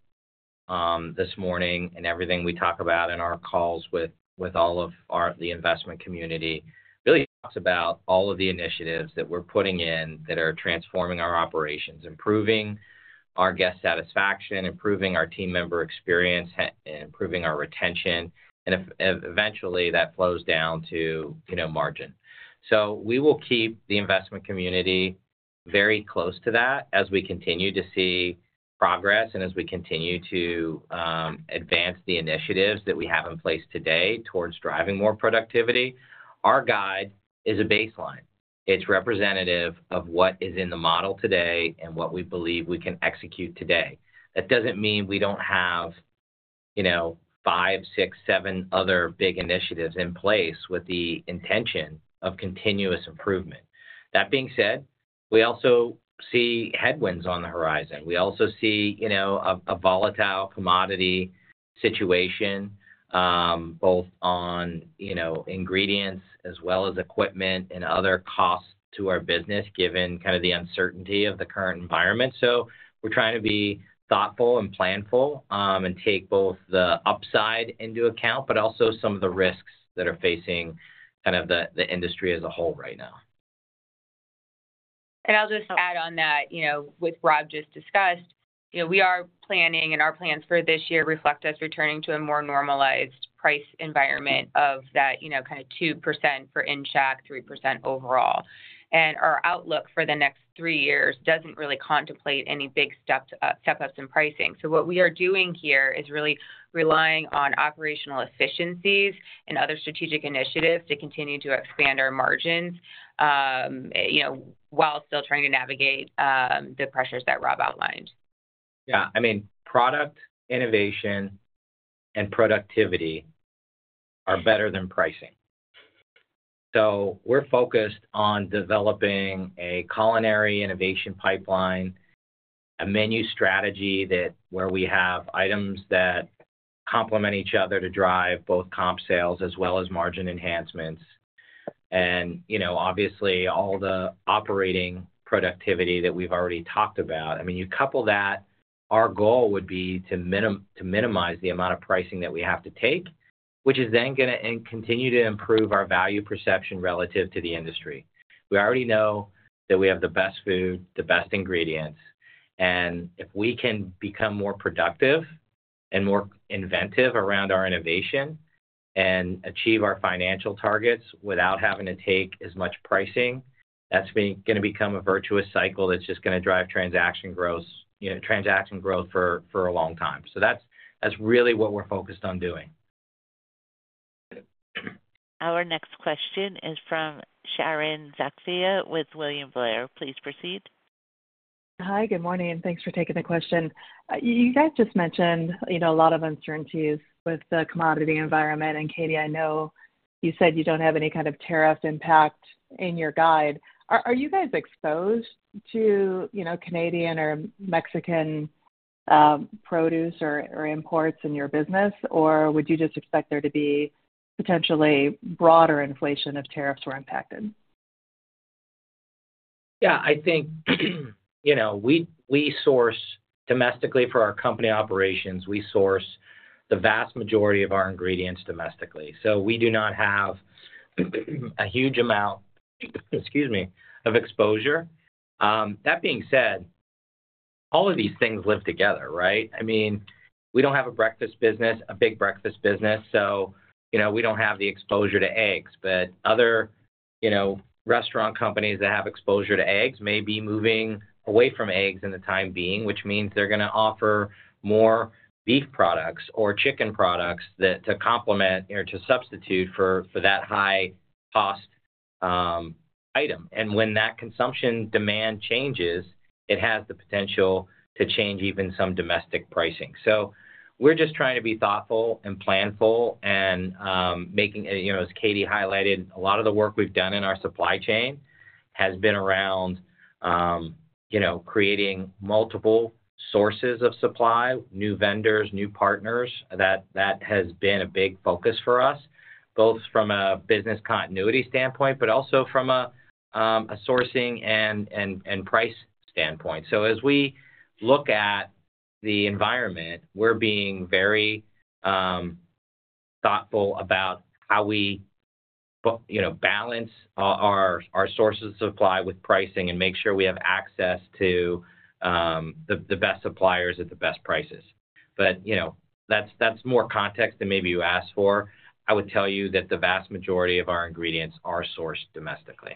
this morning and everything we talk about in our calls with all of the investment community really talks about all of the initiatives that we're putting in that are transforming our operations, improving our guest satisfaction, improving our team member experience, and improving our retention. And eventually, that flows down to margin. So we will keep the investment community very close to that as we continue to see progress and as we continue to advance the initiatives that we have in place today towards driving more productivity. Our guide is a baseline. It's representative of what is in the model today and what we believe we can execute today. That doesn't mean we don't have five, six, seven other big initiatives in place with the intention of continuous improvement. That being said, we also see headwinds on the horizon. We also see a volatile commodity situation both on ingredients as well as equipment and other costs to our business given kind of the uncertainty of the current environment. So we're trying to be thoughtful and planful and take both the upside into account, but also some of the risks that are facing kind of the industry as a whole right now. And I'll just add on to what Rob just discussed, we are planning, and our plans for this year reflect us returning to a more normalized price environment of that kind of 2% for in-Shack, 3% overall. And our outlook for the next three years doesn't really contemplate any big step-ups in pricing. So what we are doing here is really relying on operational efficiencies and other strategic initiatives to continue to expand our margins while still trying to navigate the pressures that Rob outlined. Yeah. I mean, product, innovation, and productivity are better than pricing. So we're focused on developing a culinary innovation pipeline, a menu strategy where we have items that complement each other to drive both comp sales as well as margin enhancements. And obviously, all the operating productivity that we've already talked about, I mean, you couple that, our goal would be to minimize the amount of pricing that we have to take, which is then going to continue to improve our value perception relative to the industry. We already know that we have the best food, the best ingredients. And if we can become more productive and more inventive around our innovation and achieve our financial targets without having to take as much pricing, that's going to become a virtuous cycle that's just going to drive transaction growth for a long time. So that's really what we're focused on doing. Our next question is from Sharon Zackfia with William Blair. Please proceed. Hi, good morning. Thanks for taking the question. You guys just mentioned a lot of uncertainties with the commodity environment. And Katie, I know you said you don't have any kind of tariff impact in your guide. Are you guys exposed to Canadian or Mexican produce or imports in your business, or would you just expect there to be potentially broader inflation if tariffs were impacted? Yeah. I think we source domestically for our company operations. We source the vast majority of our ingredients domestically. So we do not have a huge amount, excuse me, of exposure. That being said, all of these things live together, right? I mean, we don't have a breakfast business, a big breakfast business, so we don't have the exposure to eggs. But other restaurant companies that have exposure to eggs may be moving away from eggs for the time being, which means they're going to offer more beef products or chicken products to complement or to substitute for that high-cost item. And when that consumption demand changes, it has the potential to change even some domestic pricing. So we're just trying to be thoughtful and planful. And as Katie highlighted, a lot of the work we've done in our supply chain has been around creating multiple sources of supply, new vendors, new partners. That has been a big focus for us, both from a business continuity standpoint, but also from a sourcing and price standpoint. So as we look at the environment, we're being very thoughtful about how we balance our sources of supply with pricing and make sure we have access to the best suppliers at the best prices. But that's more context than maybe you asked for. I would tell you that the vast majority of our ingredients are sourced domestically.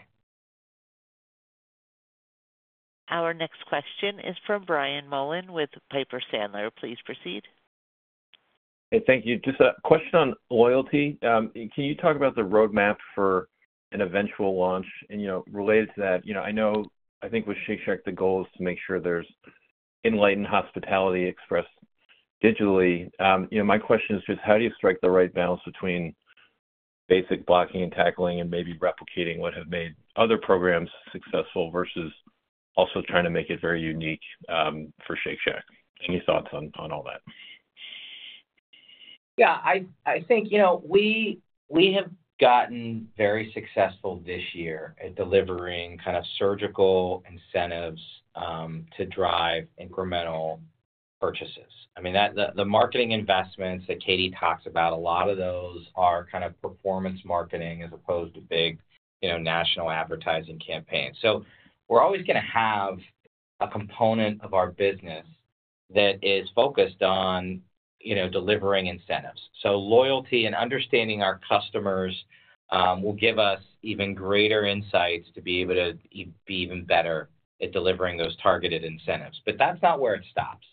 Our next question is from Brian Mullan with Piper Sandler. Please proceed. Hey, thank you. Just a question on loyalty. Can you talk about the roadmap for an eventual launch? And related to that, I know I think with Shake Shack, the goal is to make sure there's enlightened hospitality expressed digitally. My question is just, how do you strike the right balance between basic blocking and tackling and maybe replicating what have made other programs successful versus also trying to make it very unique for Shake Shack? Any thoughts on all that? Yeah. I think we have gotten very successful this year at delivering kind of surgical incentives to drive incremental purchases. I mean, the marketing investments that Katie talks about, a lot of those are kind of performance marketing as opposed to big national advertising campaigns. So we're always going to have a component of our business that is focused on delivering incentives. So loyalty and understanding our customers will give us even greater insights to be able to be even better at delivering those targeted incentives. But that's not where it stops.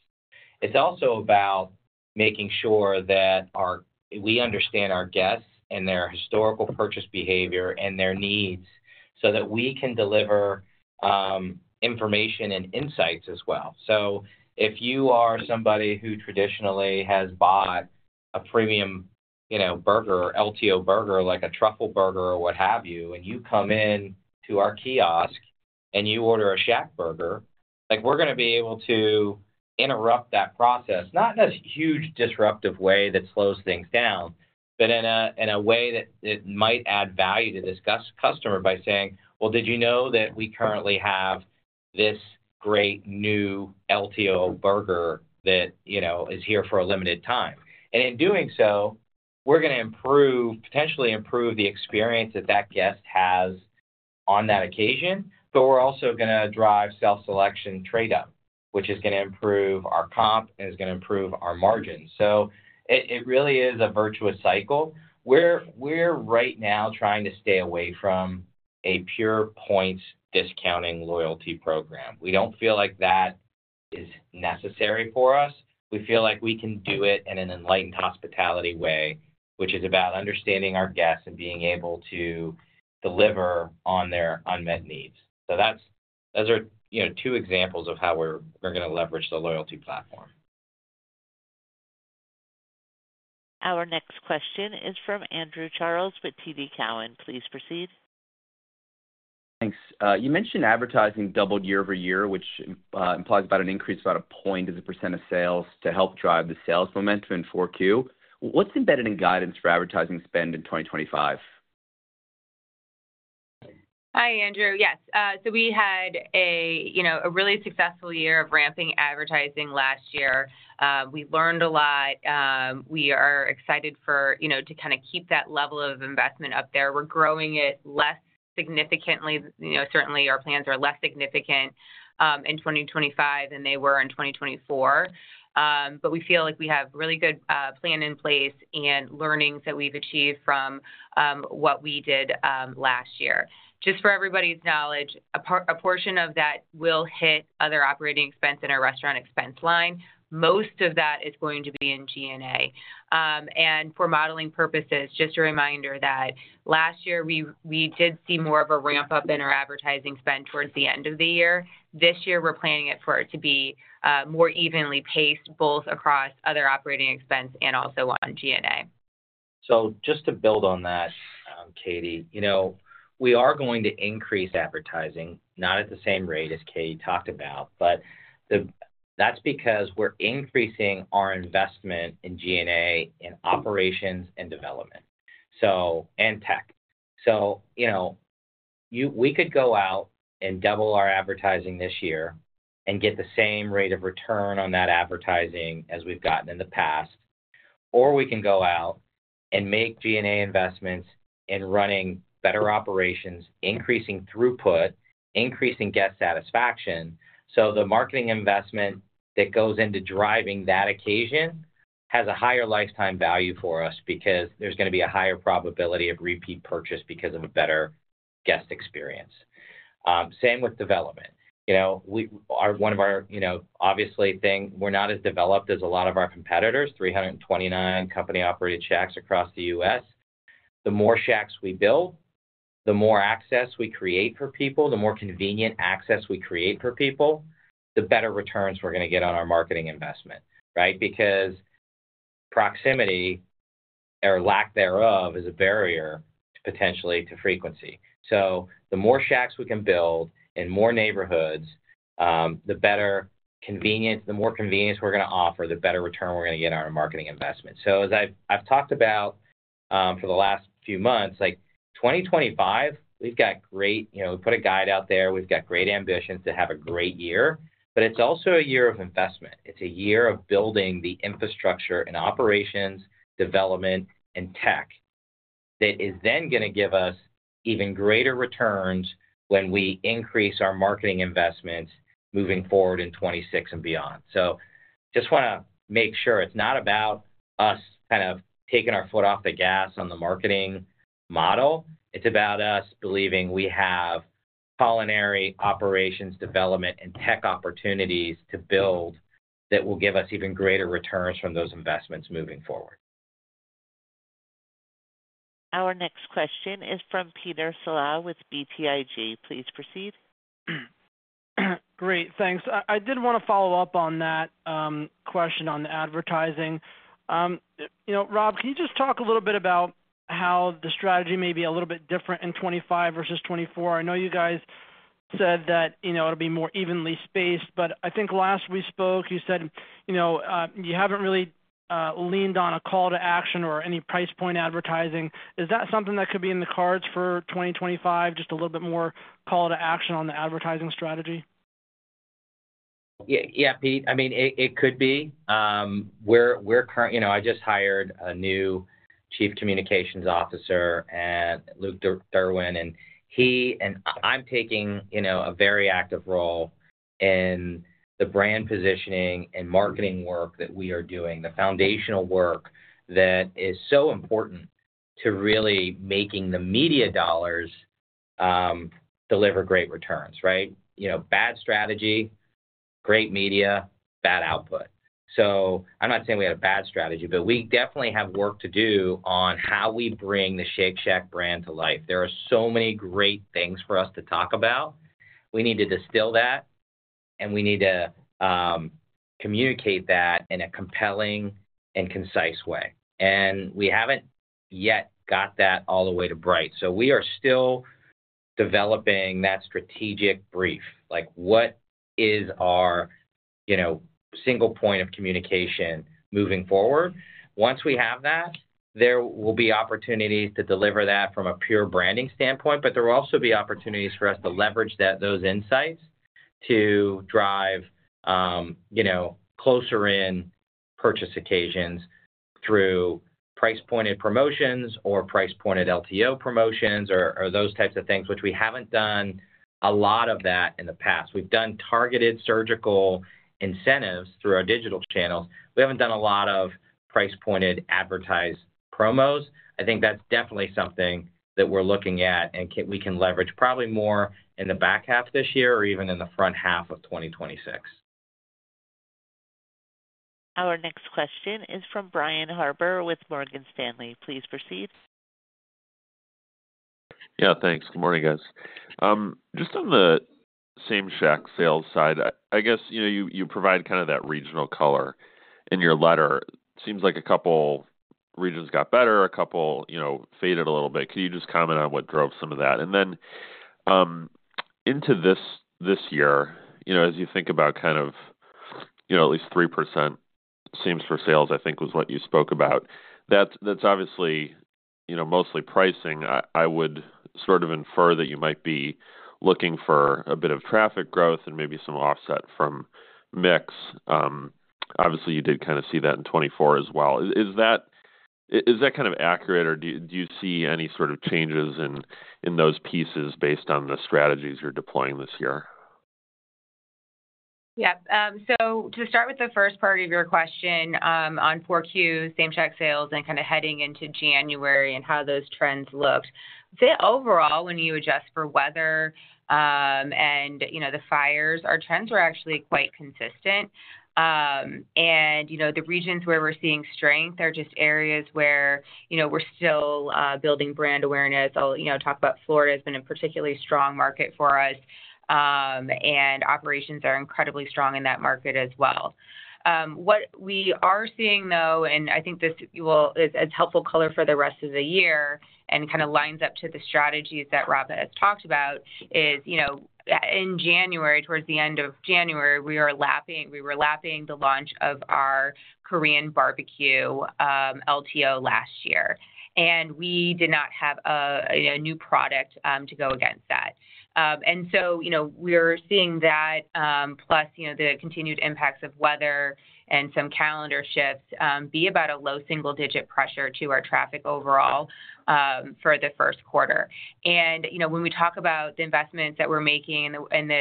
It's also about making sure that we understand our guests and their historical purchase behavior and their needs so that we can deliver information and insights as well. So if you are somebody who traditionally has bought a premium burger, LTO burger, like a Truffle Burger or what have you, and you come into our kiosk and you order a ShackBurger, we're going to be able to interrupt that process, not in a huge disruptive way that slows things down, but in a way that might add value to this customer by saying, "Well, did you know that we currently have this great new LTO burger that is here for a limited time?" And in doing so, we're going to potentially improve the experience that that guest has on that occasion, but we're also going to drive self-selection trade-off, which is going to improve our comp and is going to improve our margins. So it really is a virtuous cycle. We're right now trying to stay away from a pure points discounting loyalty program. We don't feel like that is necessary for us. We feel like we can do it in an enlightened hospitality way, which is about understanding our guests and being able to deliver on their unmet needs. So those are two examples of how we're going to leverage the loyalty platform. Our next question is from Andrew Charles with TD Cowen. Please proceed. Thanks. You mentioned advertising doubled year-over-year, which implies about an increase of about a point as a % of sales to help drive the sales momentum in 4Q. What's embedded in guidance for advertising spend in 2025? Hi, Andrew. Yes. So we had a really successful year of ramping advertising last year. We learned a lot. We are excited to kind of keep that level of investment up there. We're growing it less significantly. Certainly, our plans are less significant in 2025 than they were in 2024. But we feel like we have a really good plan in place and learnings that we've achieved from what we did last year. Just for everybody's knowledge, a portion of that will hit other operating expense in our restaurant expense line. Most of that is going to be in G&A. And for modeling purposes, just a reminder that last year, we did see more of a ramp-up in our advertising spend towards the end of the year. This year, we're planning it for it to be more evenly paced both across other operating expense and also on G&A. So just to build on that, Katie, we are going to increase advertising, not at the same rate as Katie talked about, but that's because we're increasing our investment in G&A in operations and development and tech. So we could go out and double our advertising this year and get the same rate of return on that advertising as we've gotten in the past, or we can go out and make G&A investments in running better operations, increasing throughput, increasing guest satisfaction. So the marketing investment that goes into driving that occasion has a higher lifetime value for us because there's going to be a higher probability of repeat purchase because of a better guest experience. Same with development. One of our obviously things, we're not as developed as a lot of our competitors, 329 Company-Operated Shacks across the U.S. The more shacks we build, the more access we create for people, the more convenient access we create for people, the better returns we're going to get on our marketing investment, right? Because proximity or lack thereof is a barrier potentially to frequency. So the more Shacks we can build in more neighborhoods, the more convenience we're going to offer, the better return we're going to get on our marketing investment. So as I've talked about for the last few months, 2025, we put a guide out there. We've got great ambitions to have a great year, but it's also a year of investment. It's a year of building the infrastructure and operations, development, and tech that is then going to give us even greater returns when we increase our marketing investments moving forward in 2026 and beyond. So just want to make sure it's not about us kind of taking our foot off the gas on the marketing model. It's about us believing we have culinary operations, development, and tech opportunities to build that will give us even greater returns from those investments moving forward. Our next question is from Peter Saleh with BTIG. Please proceed. Great. Thanks. I did want to follow up on that question on the advertising. Rob, can you just talk a little bit about how the strategy may be a little bit different in 2025 versus 2024? I know you guys said that it'll be more evenly spaced, but I think last we spoke, you said you haven't really leaned on a call to action or any price point advertising. Is that something that could be in the cards for 2025, just a little bit more call to action on the advertising strategy? Yeah, Pete. I mean, it could be. I just hired a new Chief Communications Officer, Luke DeRouen, and I'm taking a very active role in the brand positioning and marketing work that we are doing, the foundational work that is so important to really making the media dollars deliver great returns, right? Bad strategy, great media, bad output so I'm not saying we have a bad strategy, but we definitely have work to do on how we bring the Shake Shack brand to life. There are so many great things for us to talk about. We need to distill that, and we need to communicate that in a compelling and concise way and we haven't yet got that all the way to right so we are still developing that strategic brief. What is our single point of communication moving forward? Once we have that, there will be opportunities to deliver that from a pure branding standpoint, but there will also be opportunities for us to leverage those insights to drive closer-in purchase occasions through price-pointed promotions or price-pointed LTO promotions or those types of things, which we haven't done a lot of that in the past. We've done targeted surgical incentives through our digital channels. We haven't done a lot of price-pointed advertised promos. I think that's definitely something that we're looking at, and we can leverage probably more in the back half of this year or even in the front half of 2026. Our next question is from Brian Harbour with Morgan Stanley. Please proceed. Yeah. Thanks. Good morning, guys. Just on the Same-Shack Sales side, I guess you provide kind of that regional color in your letter. It seems like a couple regions got better, a couple faded a little bit. Could you just comment on what drove some of that?, and then into this year, as you think about kind of at least 3% comps for sales, I think, was what you spoke about. That's obviously mostly pricing. I would sort of infer that you might be looking for a bit of traffic growth and maybe some offset from mix. Obviously, you did kind of see that in 2024 as well. Is that kind of accurate, or do you see any sort of changes in those pieces based on the strategies you're deploying this year? Yep. So to start with the first part of your question on 4Q, Same-Shack Sales, and kind of heading into January and how those trends looked, I'd say overall, when you adjust for weather and the fires, our trends are actually quite consistent. And the regions where we're seeing strength are just areas where we're still building brand awareness. I'll talk about Florida has been a particularly strong market for us, and operations are incredibly strong in that market as well. What we are seeing, though, and I think this is helpful color for the rest of the year and kind of lines up to the strategies that Rob has talked about, is in January, towards the end of January, we were lapping the launch of our Korean barbecue LTO last year. And we did not have a new product to go against that. And so we're seeing that, plus the continued impacts of weather and some calendar shifts, be about a low single-digit pressure to our traffic overall for the first quarter. And when we talk about the investments that we're making and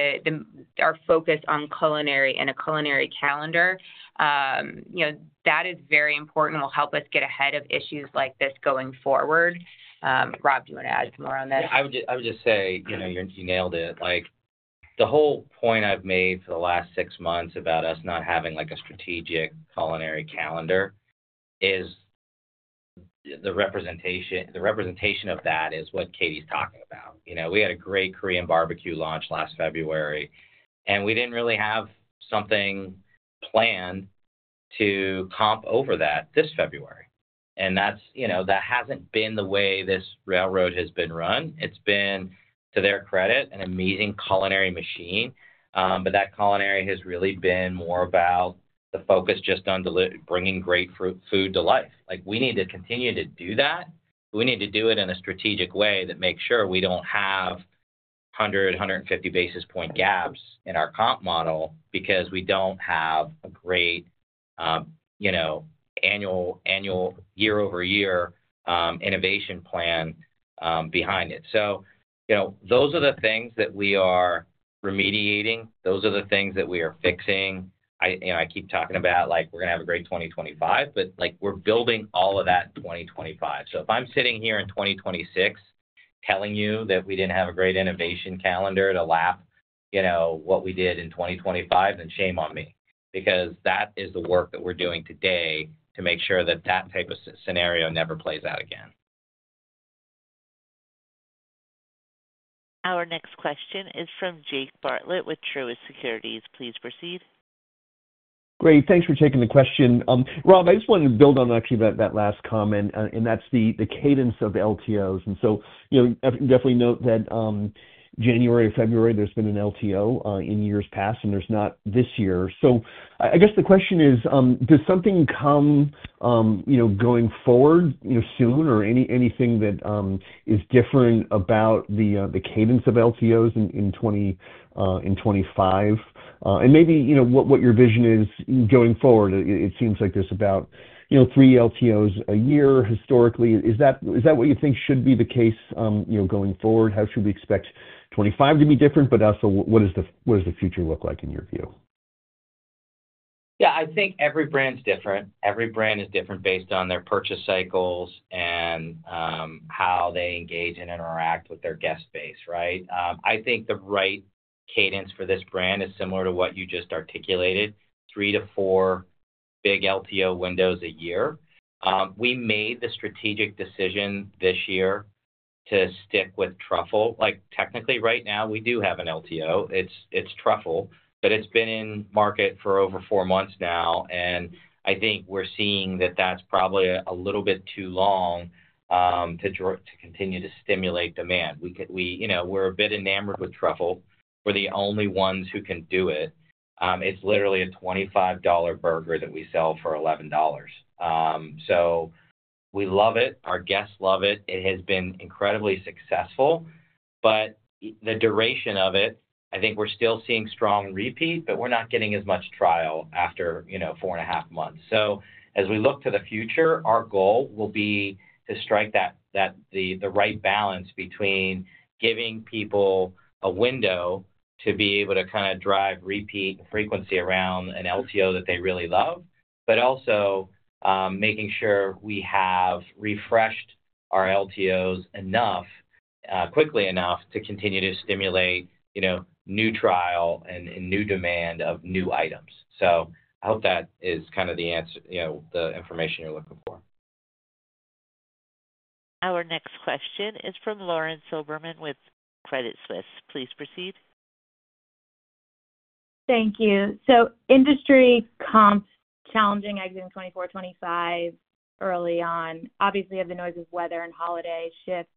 our focus on a culinary calendar, that is very important and will help us get ahead of issues like this going forward. Rob, do you want to add more on that? I would just say you nailed it. The whole point I've made for the last six months about us not having a strategic culinary calendar is the representation of that is what Katie's talking about. We had a great Korean barbecue launch last February, and we didn't really have something planned to comp over that this February. And that hasn't been the way this railroad has been run. It's been, to their credit, an amazing culinary machine, but that culinary has really been more about the focus just on bringing great food to life. We need to continue to do that, but we need to do it in a strategic way that makes sure we don't have 100-150 basis point gaps in our comp model because we don't have a great annual year-over-year innovation plan behind it. So those are the things that we are remediating. Those are the things that we are fixing. I keep talking about we're going to have a great 2025, but we're building all of that in 2025. So if I'm sitting here in 2026 telling you that we didn't have a great innovation calendar to lap what we did in 2025, then shame on me because that is the work that we're doing today to make sure that that type of scenario never plays out again. Our next question is from Jake Bartlett with Truist Securities. Please proceed. Great. Thanks for taking the question. Rob, I just wanted to build on actually that last comment, and that's the cadence of LTOs. And so definitely note that January, February, there's been an LTO in years past, and there's not this year. So I guess the question is, does something come going forward soon or anything that is different about the cadence of LTOs in 2025? And maybe what your vision is going forward. It seems like there's about three LTOs a year historically. Is that what you think should be the case going forward? How should we expect 2025 to be different, but also what does the future look like in your view? Yeah. I think every brand's different. Every brand is different based on their purchase cycles and how they engage and interact with their guest base, right? I think the right cadence for this brand is similar to what you just articulated: three to four big LTO windows a year. We made the strategic decision this year to stick with Truffle. Technically, right now, we do have an LTO. It's Truffle, but it's been in market for over four months now, and I think we're seeing that that's probably a little bit too long to continue to stimulate demand. We're a bit enamored with Truffle. We're the only ones who can do it. It's literally a $25 burger that we sell for $11. So we love it. Our guests love it. It has been incredibly successful, but the duration of it, I think we're still seeing strong repeat, but we're not getting as much trial after four and a half months. So as we look to the future, our goal will be to strike the right balance between giving people a window to be able to kind of drive repeat and frequency around an LTO that they really love, but also making sure we have refreshed our LTOs quickly enough to continue to stimulate new trial and new demand of new items. So I hope that is kind of the information you're looking for. Our next question is from Lauren Silberman with Deutsche Bank. Please proceed. Thank you. So industry comps challenging exiting 2024, 2025 early on. Obviously, we have the noise of weather and holiday shift.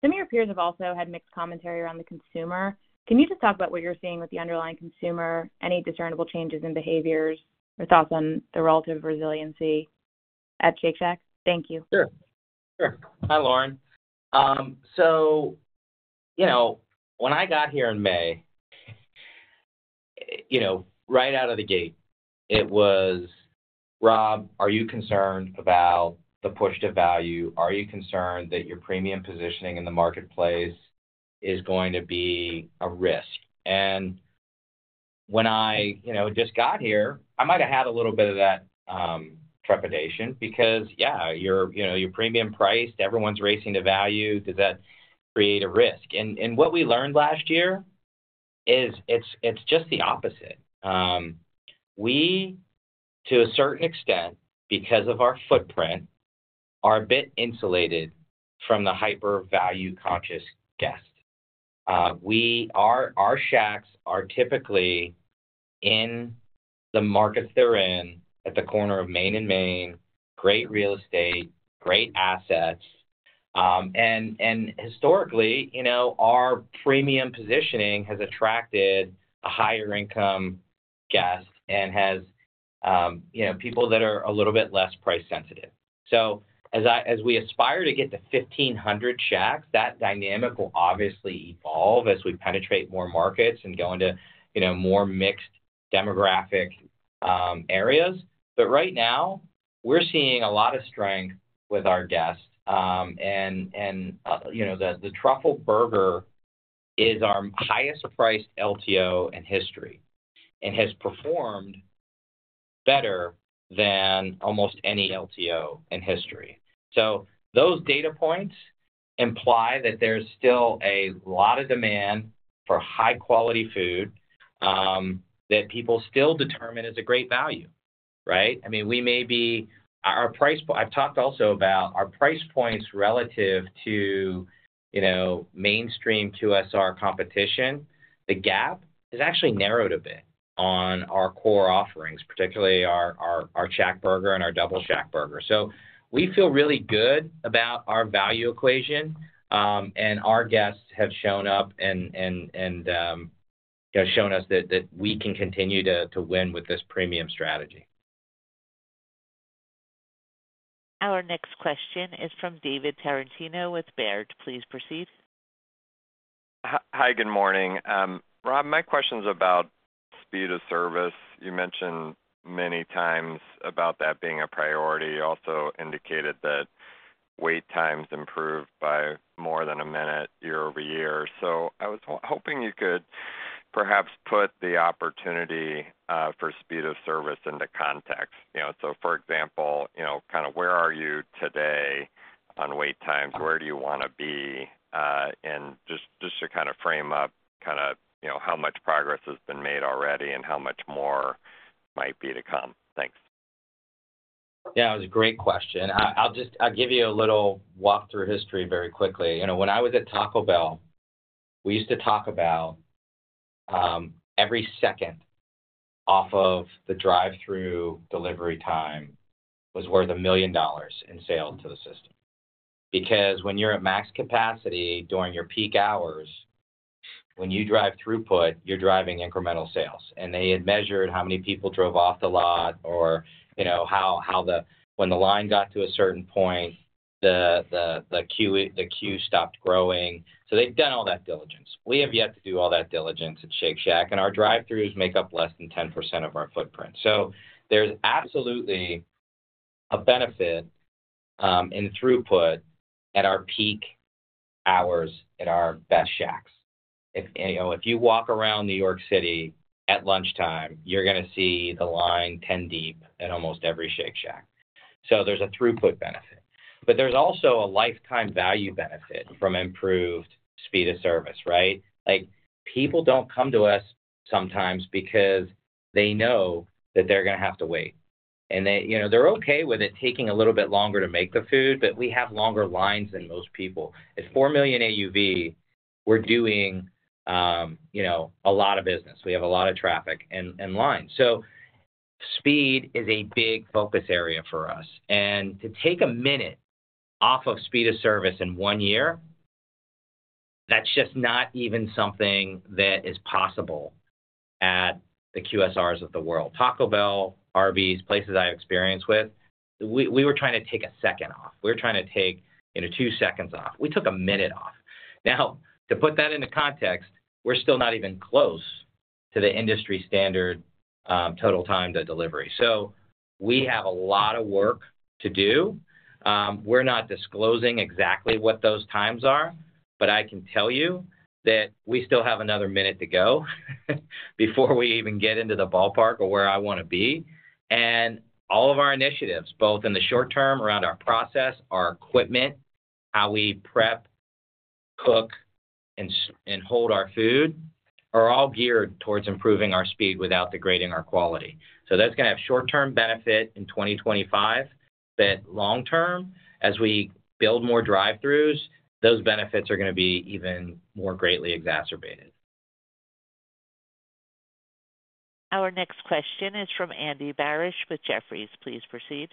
Some of your peers have also had mixed commentary around the consumer. Can you just talk about what you're seeing with the underlying consumer, any discernible changes in behaviors or thoughts on the relative resiliency at Shake Shack? Thank you. Sure. Sure. Hi, Lauren. So when I got here in May, right out of the gate, it was, "Rob, are you concerned about the push to value? Are you concerned that your premium positioning in the marketplace is going to be a risk?" And when I just got here, I might have had a little bit of that trepidation because, yeah, you're premium priced. Everyone's racing to value. Does that create a risk? And what we learned last year is it's just the opposite. We, to a certain extent, because of our footprint, are a bit insulated from the hyper-value-conscious guest. Our Shacks are typically in the markets they're in at the corner of Main and Main, great real estate, great assets. And historically, our premium positioning has attracted a higher-income guest and has people that are a little bit less price-sensitive. So as we aspire to get to 1,500 Shacks, that dynamic will obviously evolve as we penetrate more markets and go into more mixed demographic areas. But right now, we're seeing a lot of strength with our guests. And the Truffle Burger is our highest-priced LTO in history and has performed better than almost any LTO in history. So those data points imply that there's still a lot of demand for high-quality food that people still determine as a great value, right? I mean, we may be at our price point. I've talked also about our price points relative to mainstream QSR competition. The gap has actually narrowed a bit on our core offerings, particularly our ShackBurger and our Double ShackBurger. So we feel really good about our value equation, and our guests have shown up and have shown us that we can continue to win with this premium strategy. Our next question is from David Tarantino with Baird. Please proceed. Hi. Good morning. Rob, my question is about speed of service. You mentioned many times about that being a priority. You also indicated that wait times improved by more than a minute year over year. So I was hoping you could perhaps put the opportunity for speed of service into context. So for example, kind of where are you today on wait times? Where do you want to be? And just to kind of frame up kind of how much progress has been made already and how much more might be to come. Thanks. Yeah. It was a great question. I'll give you a little walk-through history very quickly. When I was at Taco Bell, we used to talk about every second off of the Drive-Thru delivery time was worth a million dollars in sales to the system. Because when you're at max capacity during your peak hours, when you drive throughput, you're driving incremental sales. And they had measured how many people drove off the lot or how when the line got to a certain point, the queue stopped growing. So they've done all that diligence. We have yet to do all that diligence at Shake Shack, and our Drive-Thrus make up less than 10% of our footprint. So there's absolutely a benefit in throughput at our peak hours at our best Shacks. If you walk around New York City at lunchtime, you're going to see the line 10 deep at almost every Shake Shack. So there's a throughput benefit. But there's also a lifetime value benefit from improved speed of service, right? People don't come to us sometimes because they know that they're going to have to wait. And they're okay with it taking a little bit longer to make the food, but we have longer lines than most people. At four million AUV, we're doing a lot of business. We have a lot of traffic and lines. So speed is a big focus area for us. And to take a minute off of speed of service in one year, that's just not even something that is possible at the QSRs of the world. Taco Bell, Arby's, places I have experience with, we were trying to take a second off. We were trying to take two seconds off. We took a minute off. Now, to put that into context, we're still not even close to the industry standard total time to delivery. So we have a lot of work to do. We're not disclosing exactly what those times are, but I can tell you that we still have another minute to go before we even get into the ballpark or where I want to be, and all of our initiatives, both in the short term around our process, our equipment, how we prep, cook, and hold our food are all geared towards improving our speed without degrading our quality. So that's going to have short-term benefit in 2025, but long-term, as we build more Drive-Thrus, those benefits are going to be even more greatly exacerbated. Our next question is from Andy Barish with Jefferies. Please proceed.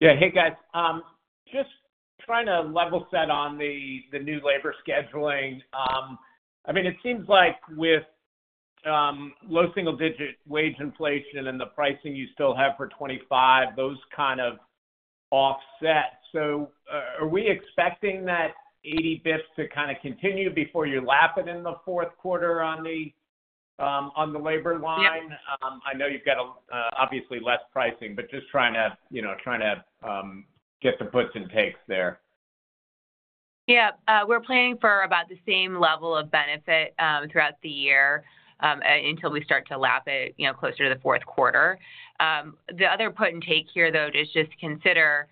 Yeah. Hey, guys. Just trying to level set on the new labor scheduling. I mean, it seems like with low single-digit wage inflation and the pricing you still have for 2025, those kind of offset. So are we expecting that 80 basis points to kind of continue before you're lapping in the fourth quarter on the labor line? I know you've got obviously less pricing, but just trying to get the puts and takes there. Yeah. We're planning for about the same level of benefit throughout the year until we start to lap it closer to the fourth quarter. The other put and take here, though, is just consider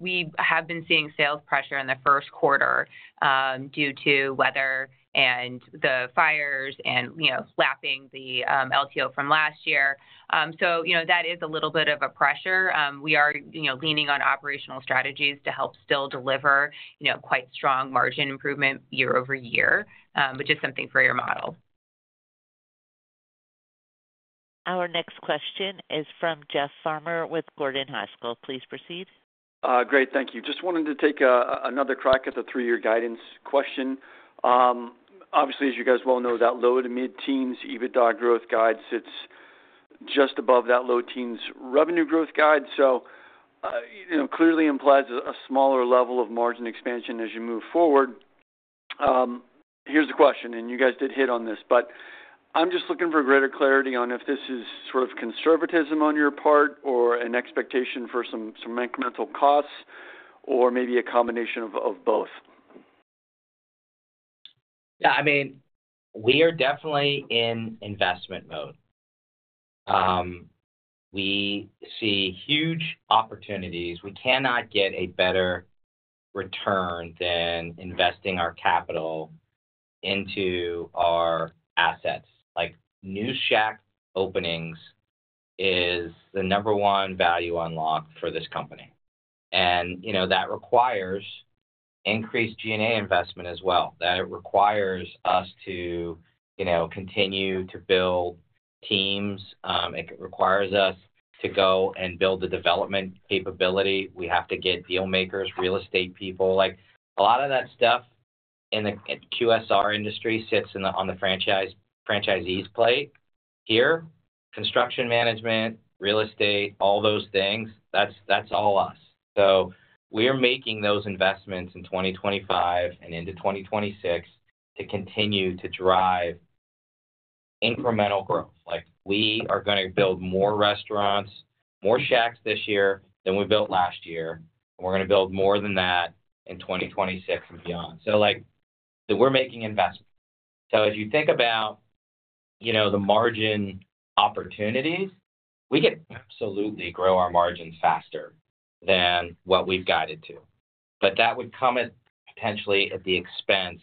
we have been seeing sales pressure in the first quarter due to weather and the fires and lapping the LTO from last year. So that is a little bit of a pressure. We are leaning on operational strategies to help still deliver quite strong margin improvement year over year, but just something for your model. Our next question is from Jeff Farmer with Gordon Haskett. Please proceed. Great. Thank you. Just wanted to take another crack at the three-year guidance question. Obviously, as you guys well know, that low to mid-teens EBITDA growth guide, it's just above that low-teens revenue growth guide. So it clearly implies a smaller level of margin expansion as you move forward. Here's a question, and you guys did hit on this, but I'm just looking for greater clarity on if this is sort of conservatism on your part or an expectation for some incremental costs or maybe a combination of both. Yeah. I mean, we are definitely in investment mode. We see huge opportunities. We cannot get a better return than investing our capital into our assets. New Shack openings is the number one value unlock for this company. And that requires increased G&A investment as well. That requires us to continue to build teams. It requires us to go and build the development capability. We have to get dealmakers, real estate people. A lot of that stuff in the QSR industry sits on the franchisee's plate. Here, construction management, real estate, all those things, that's all us. So we're making those investments in 2025 and into 2026 to continue to drive incremental growth. We are going to build more restaurants, more Shacks this year than we built last year, and we're going to build more than that in 2026 and beyond. So we're making investments. So as you think about the margin opportunities, we could absolutely grow our margins faster than what we've guided to. But that would come potentially at the expense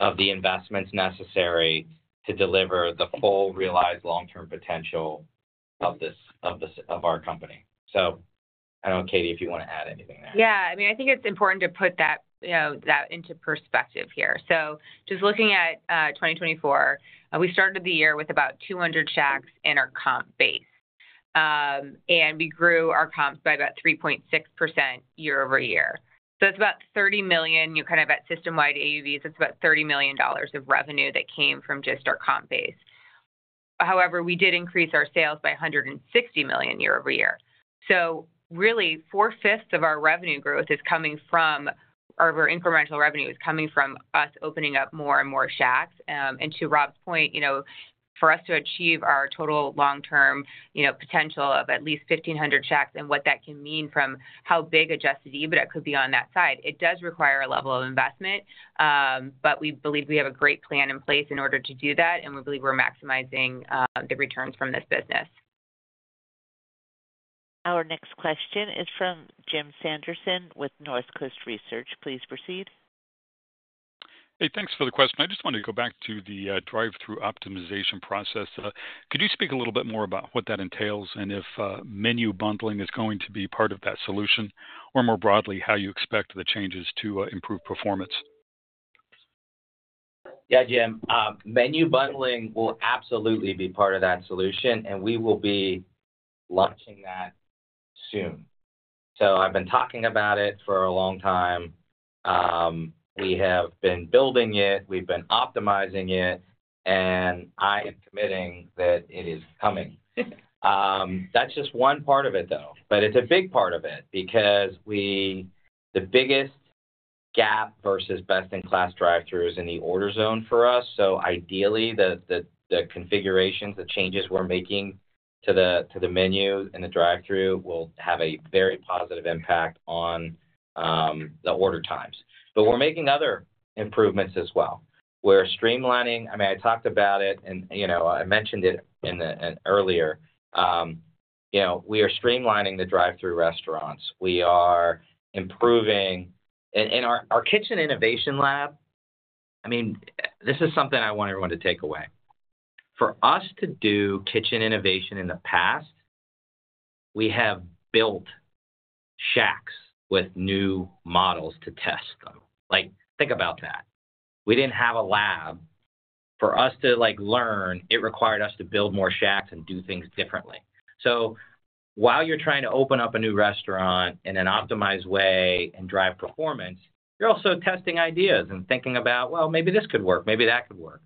of the investments necessary to deliver the full realized long-term potential of our company. So I don't know, Katie, if you want to add anything there. Yeah. I mean, I think it's important to put that into perspective here. So just looking at 2024, we started the year with about 200 Shacks in our comp base. And we grew our comps by about 3.6% year-over-year. So that's about 30 million. You're kind of at System-wide AUVs. That's about $30 million of revenue that came from just our comp base. However, we did increase our sales by $160 million year-over-year. So really, four-fifths of our revenue growth is coming from our incremental revenue is coming from us opening up more and more Shacks. And to Rob's point, for us to achieve our total long-term potential of at least 1,500 Shacks and what that can mean from how big a just EBITDA could be on that side, it does require a level of investment. But we believe we have a great plan in place in order to do that, and we believe we're maximizing the returns from this business. Our next question is from Jim Sanderson with Northcoast Research. Please proceed. Hey, thanks for the question. I just wanted to go back to the Drive-Thru optimization process. Could you speak a little bit more about what that entails and if menu bundling is going to be part of that solution, or more broadly, how you expect the changes to improve performance? Yeah, Jim. Menu bundling will absolutely be part of that solution, and we will be launching that soon. So I've been talking about it for a long time. We have been building it. We've been optimizing it, and I am committing that it is coming. That's just one part of it, though. But it's a big part of it because the biggest gap versus best-in-class Drive-Thru is in the order zone for us. So ideally, the configurations, the changes we're making to the menu and the Drive-Thru will have a very positive impact on the order times. But we're making other improvements as well. We're streamlining. I mean, I talked about it, and I mentioned it earlier. We are streamlining the Drive-Thru restaurants. We are improving, and our kitchen innovation lab, I mean, this is something I want everyone to take away. For us to do kitchen innovation in the past, we have built Shacks with new models to test them. Think about that. We didn't have a lab. For us to learn, it required us to build more Shacks and do things differently. So while you're trying to open up a new restaurant in an optimized way and drive performance, you're also testing ideas and thinking about, "Well, maybe this could work. Maybe that could work."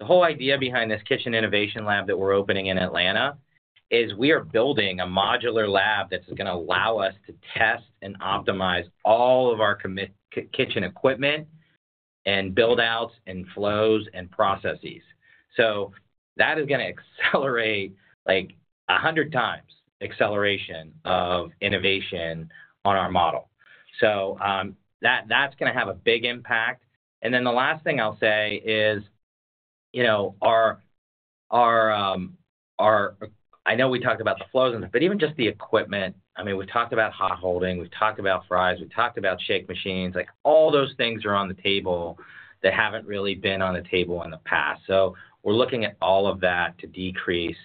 The whole idea behind this kitchen innovation lab that we're opening in Atlanta is we are building a modular lab that's going to allow us to test and optimize all of our kitchen equipment and build-outs and flows and processes, so that is going to accelerate 100 times acceleration of innovation on our model, so that's going to have a big impact, and then the last thing I'll say is I know we talked about the flows and stuff, but even just the equipment. I mean, we've talked about hot holding. We've talked about fries. We've talked about shake machines. All those things are on the table that haven't really been on the table in the past, so we're looking at all of that to decrease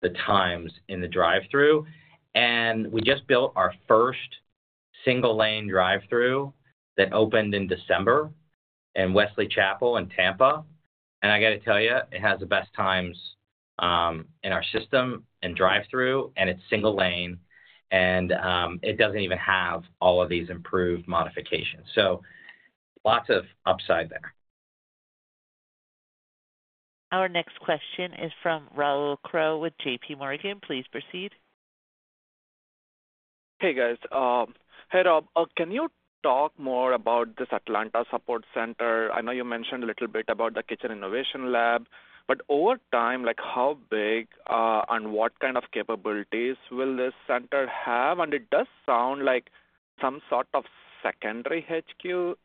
the times in the Drive-Thru. We just built our first single-lane Drive-Thru that opened in December in Wesley Chapel in Tampa. I got to tell you, it has the best times in our system and Drive-Thru, and it's single lane, and it doesn't even have all of these improved modifications. So lots of upside there. Our next question is from Rahul Krotthapalli with J.P. Morgan. Please proceed. Hey, guys. Hey, Rob, can you talk more about this Atlanta support center? I know you mentioned a little bit about the kitchen innovation lab, but over time, how big and what kind of capabilities will this center have? It does sound like some sort of secondary HQ.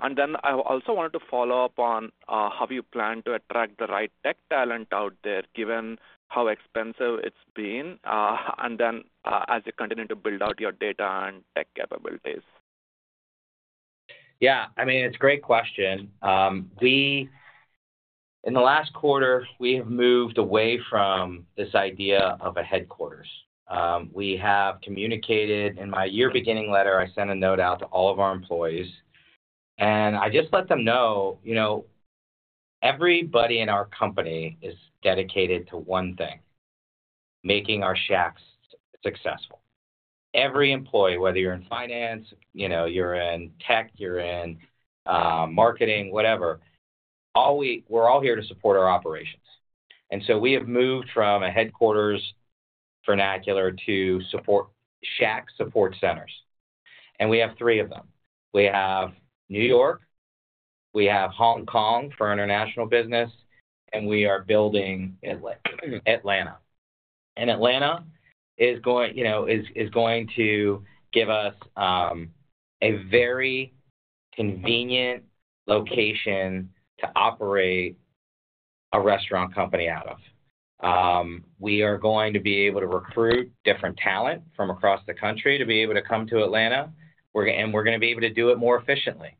And then I also wanted to follow up on how you plan to attract the right tech talent out there given how expensive it's been and then as you continue to build out your data and tech capabilities. Yeah. I mean, it's a great question. In the last quarter, we have moved away from this idea of a headquarters. We have communicated. In my year-beginning letter, I sent a note out to all of our employees, and I just let them know everybody in our company is dedicated to one thing: making our Shacks successful. Every employee, whether you're in finance, you're in tech, you're in marketing, whatever, we're all here to support our operations. And so we have moved from a headquarters vernacular to Shack support centers. And we have three of them. We have New York. We have Hong Kong for international business. And we are building Atlanta. Atlanta is going to give us a very convenient location to operate a restaurant company out of. We are going to be able to recruit different talent from across the country to be able to come to Atlanta, and we're going to be able to do it more efficiently.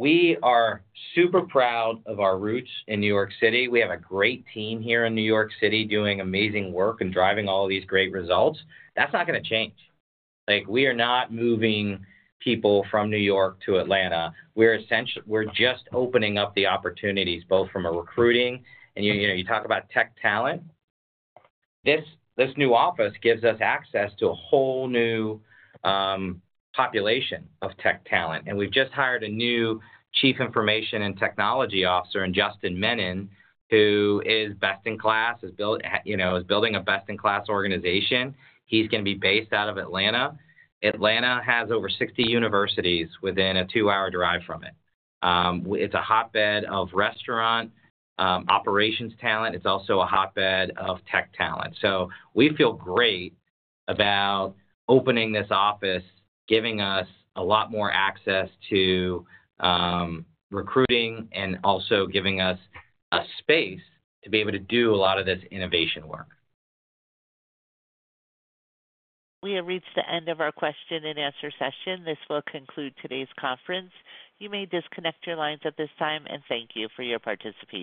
We are super proud of our roots in New York City. We have a great team here in New York City doing amazing work and driving all these great results. That's not going to change. We are not moving people from New York to Atlanta. We're just opening up the opportunities both from a recruiting. You talk about tech talent. This new office gives us access to a whole new population of tech talent. We've just hired a new Chief Information and Technology Officer in Justin Menon, who is best-in-class, is building a best-in-class organization. He's going to be based out of Atlanta. Atlanta has over 60 universities within a two-hour drive from it. It's a hotbed of restaurant operations talent. It's also a hotbed of tech talent. So we feel great about opening this office, giving us a lot more access to recruiting, and also giving us a space to be able to do a lot of this innovation work. We have reached the end of our question-and-answer session. This will conclude today's conference. You may disconnect your lines at this time, and thank you for your participation.